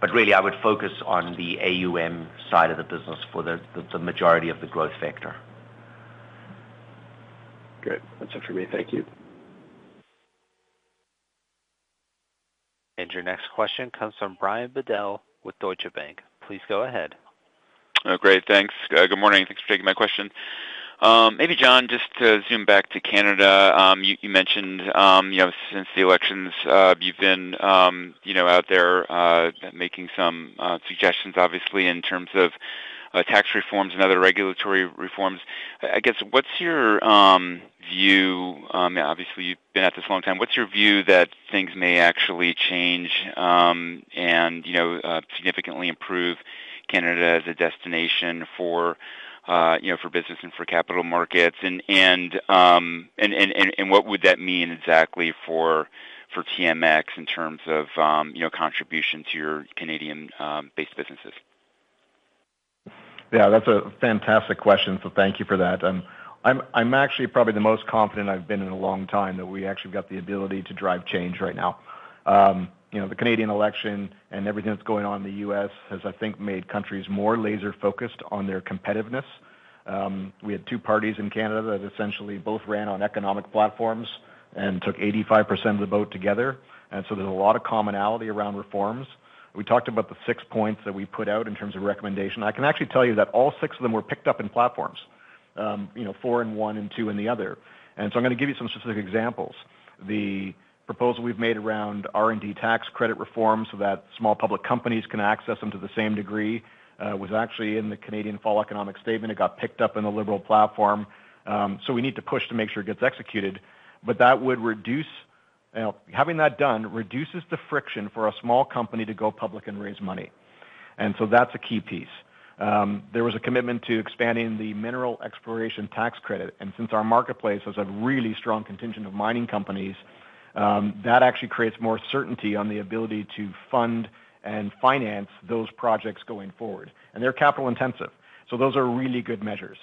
But really, I would focus on the AUM side of the business for the majority of the growth vector. Good. That's it for me. Thank you. Your next question comes from Brian Bedell with Deutsche Bank. Please go ahead. Great. Thanks. Good morning. Thanks for taking my question. Maybe, John, just to zoom back to Canada. You mentioned since the elections, you've been out there making some suggestions, obviously, in terms of tax reforms and other regulatory reforms. I guess what's your view? Obviously, you've been at this a long time. What's your view that things may actually change and significantly improve Canada as a destination for business and for capital markets? What would that mean exactly for TMX in terms of contribution to your Canadian-based businesses? Yeah. That's a fantastic question. Thank you for that. I'm actually probably the most confident I've been in a long time that we actually got the ability to drive change right now. The Canadian election and everything that's going on in the U.S. has, I think, made countries more laser-focused on their competitiveness. We had two parties in Canada that essentially both ran on economic platforms and took 85% of the vote together. There is a lot of commonality around reforms. We talked about the six points that we put out in terms of recommendation. I can actually tell you that all six of them were picked up in platforms, four in one and two in the other. I'm going to give you some specific examples. The proposal we've made around R&D tax credit reform so that small public companies can access them to the same degree was actually in the Canadian Fall Economic Statement. It got picked up in the Liberal platform. We need to push to make sure it gets executed. That would reduce, having that done reduces the friction for a small company to go public and raise money. That is a key piece. There was a commitment to expanding the mineral exploration tax credit. Since our marketplace has a really strong contingent of mining companies, that actually creates more certainty on the ability to fund and finance those projects going forward. They are capital-intensive. Those are really good measures.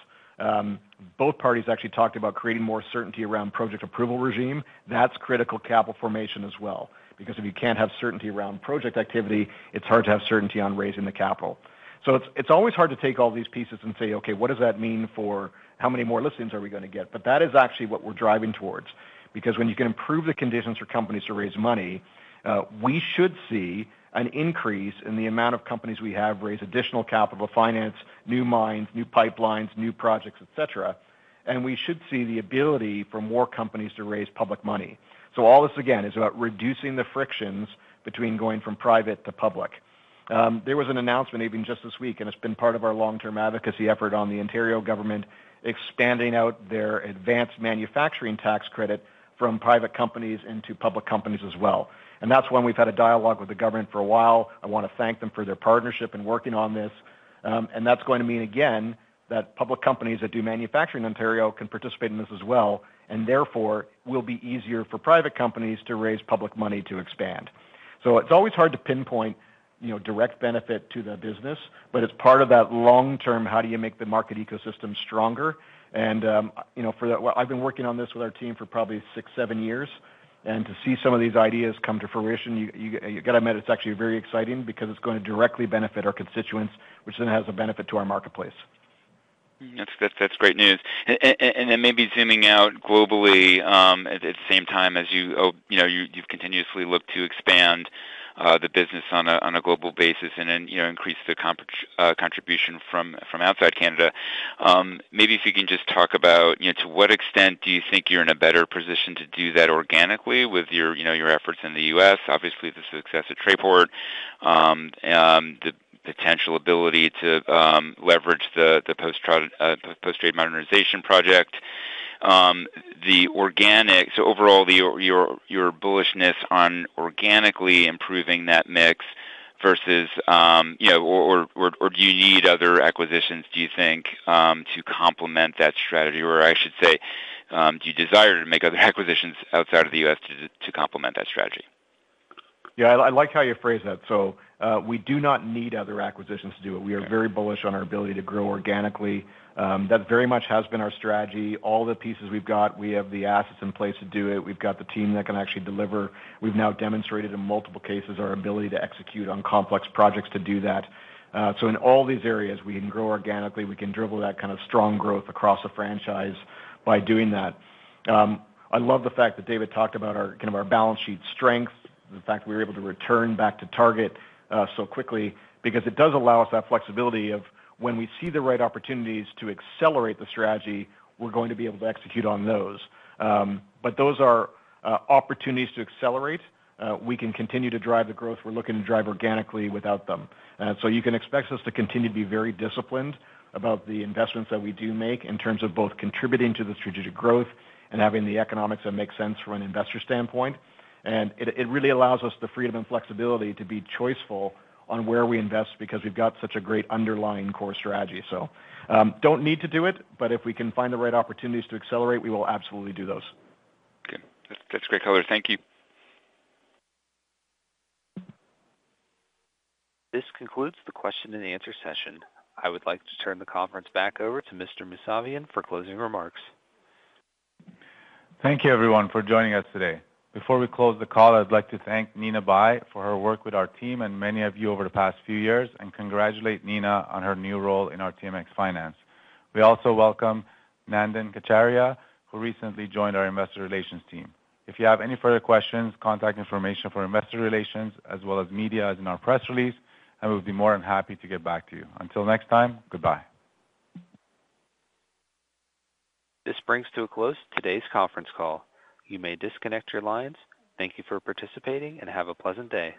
Both parties actually talked about creating more certainty around project approval regime. That is critical capital formation as well. Because if you cannot have certainty around project activity, it is hard to have certainty on raising the capital. It is always hard to take all these pieces and say, "Okay, what does that mean for how many more listings are we going to get?" That is actually what we are driving towards. Because when you can improve the conditions for companies to raise money, we should see an increase in the amount of companies we have raise additional capital to finance new mines, new pipelines, new projects, etc. We should see the ability for more companies to raise public money. All this, again, is about reducing the frictions between going from private to public. There was an announcement even just this week, and it has been part of our long-term advocacy effort on the Ontario government expanding out their advanced manufacturing tax credit from private companies into public companies as well. That is when we have had a dialogue with the government for a while. I want to thank them for their partnership in working on this. That is going to mean, again, that public companies that do manufacturing in Ontario can participate in this as well. Therefore, it will be easier for private companies to raise public money to expand. It is always hard to pinpoint direct benefit to the business, but it is part of that long-term, how do you make the market ecosystem stronger? I have been working on this with our team for probably six, seven years. To see some of these ideas come to fruition, you have to admit it is actually very exciting because it is going to directly benefit our constituents, which then has a benefit to our marketplace. That is great news. Maybe zooming out globally at the same time as you've continuously looked to expand the business on a global basis and increase the contribution from outside Canada. Maybe if you can just talk about to what extent do you think you're in a better position to do that organically with your efforts in the US, obviously the success at Trayport, the potential ability to leverage the post-trade modernization project. Overall, your bullishness on organically improving that mix versus or do you need other acquisitions, do you think, to complement that strategy? I should say, do you desire to make other acquisitions outside of the US to complement that strategy? Yeah. I like how you phrase that. We do not need other acquisitions to do it. We are very bullish on our ability to grow organically. That very much has been our strategy. All the pieces we've got, we have the assets in place to do it. We've got the team that can actually deliver. We've now demonstrated in multiple cases our ability to execute on complex projects to do that. In all these areas, we can grow organically. We can dribble that kind of strong growth across a franchise by doing that. I love the fact that David talked about our balance sheet strength, the fact that we were able to return back to target so quickly. It does allow us that flexibility of when we see the right opportunities to accelerate the strategy, we're going to be able to execute on those. Those are opportunities to accelerate. We can continue to drive the growth we're looking to drive organically without them. You can expect us to continue to be very disciplined about the investments that we do make in terms of both contributing to the strategic growth and having the economics that make sense from an investor standpoint. It really allows us the freedom and flexibility to be choiceful on where we invest because we have such a great underlying core strategy. We do not need to do it, but if we can find the right opportunities to accelerate, we will absolutely do those. Okay. That is great color. Thank you. This concludes the question-and-answer session. I would like to turn the conference back over to Mr. Mousavian for closing remarks. Thank you, everyone, for joining us today. Before we close the call, I'd like to thank Nina Bai for her work with our team and many of you over the past few years, and congratulate Nina on her new role in our TMX finance. We also welcome Nandin Kacharya, who recently joined our investor relations team. If you have any further questions, contact information for investor relations as well as media is in our press release, and we'll be more than happy to get back to you. Until next time, goodbye. This brings to a close today's conference call. You may disconnect your lines. Thank you for participating and have a pleasant day.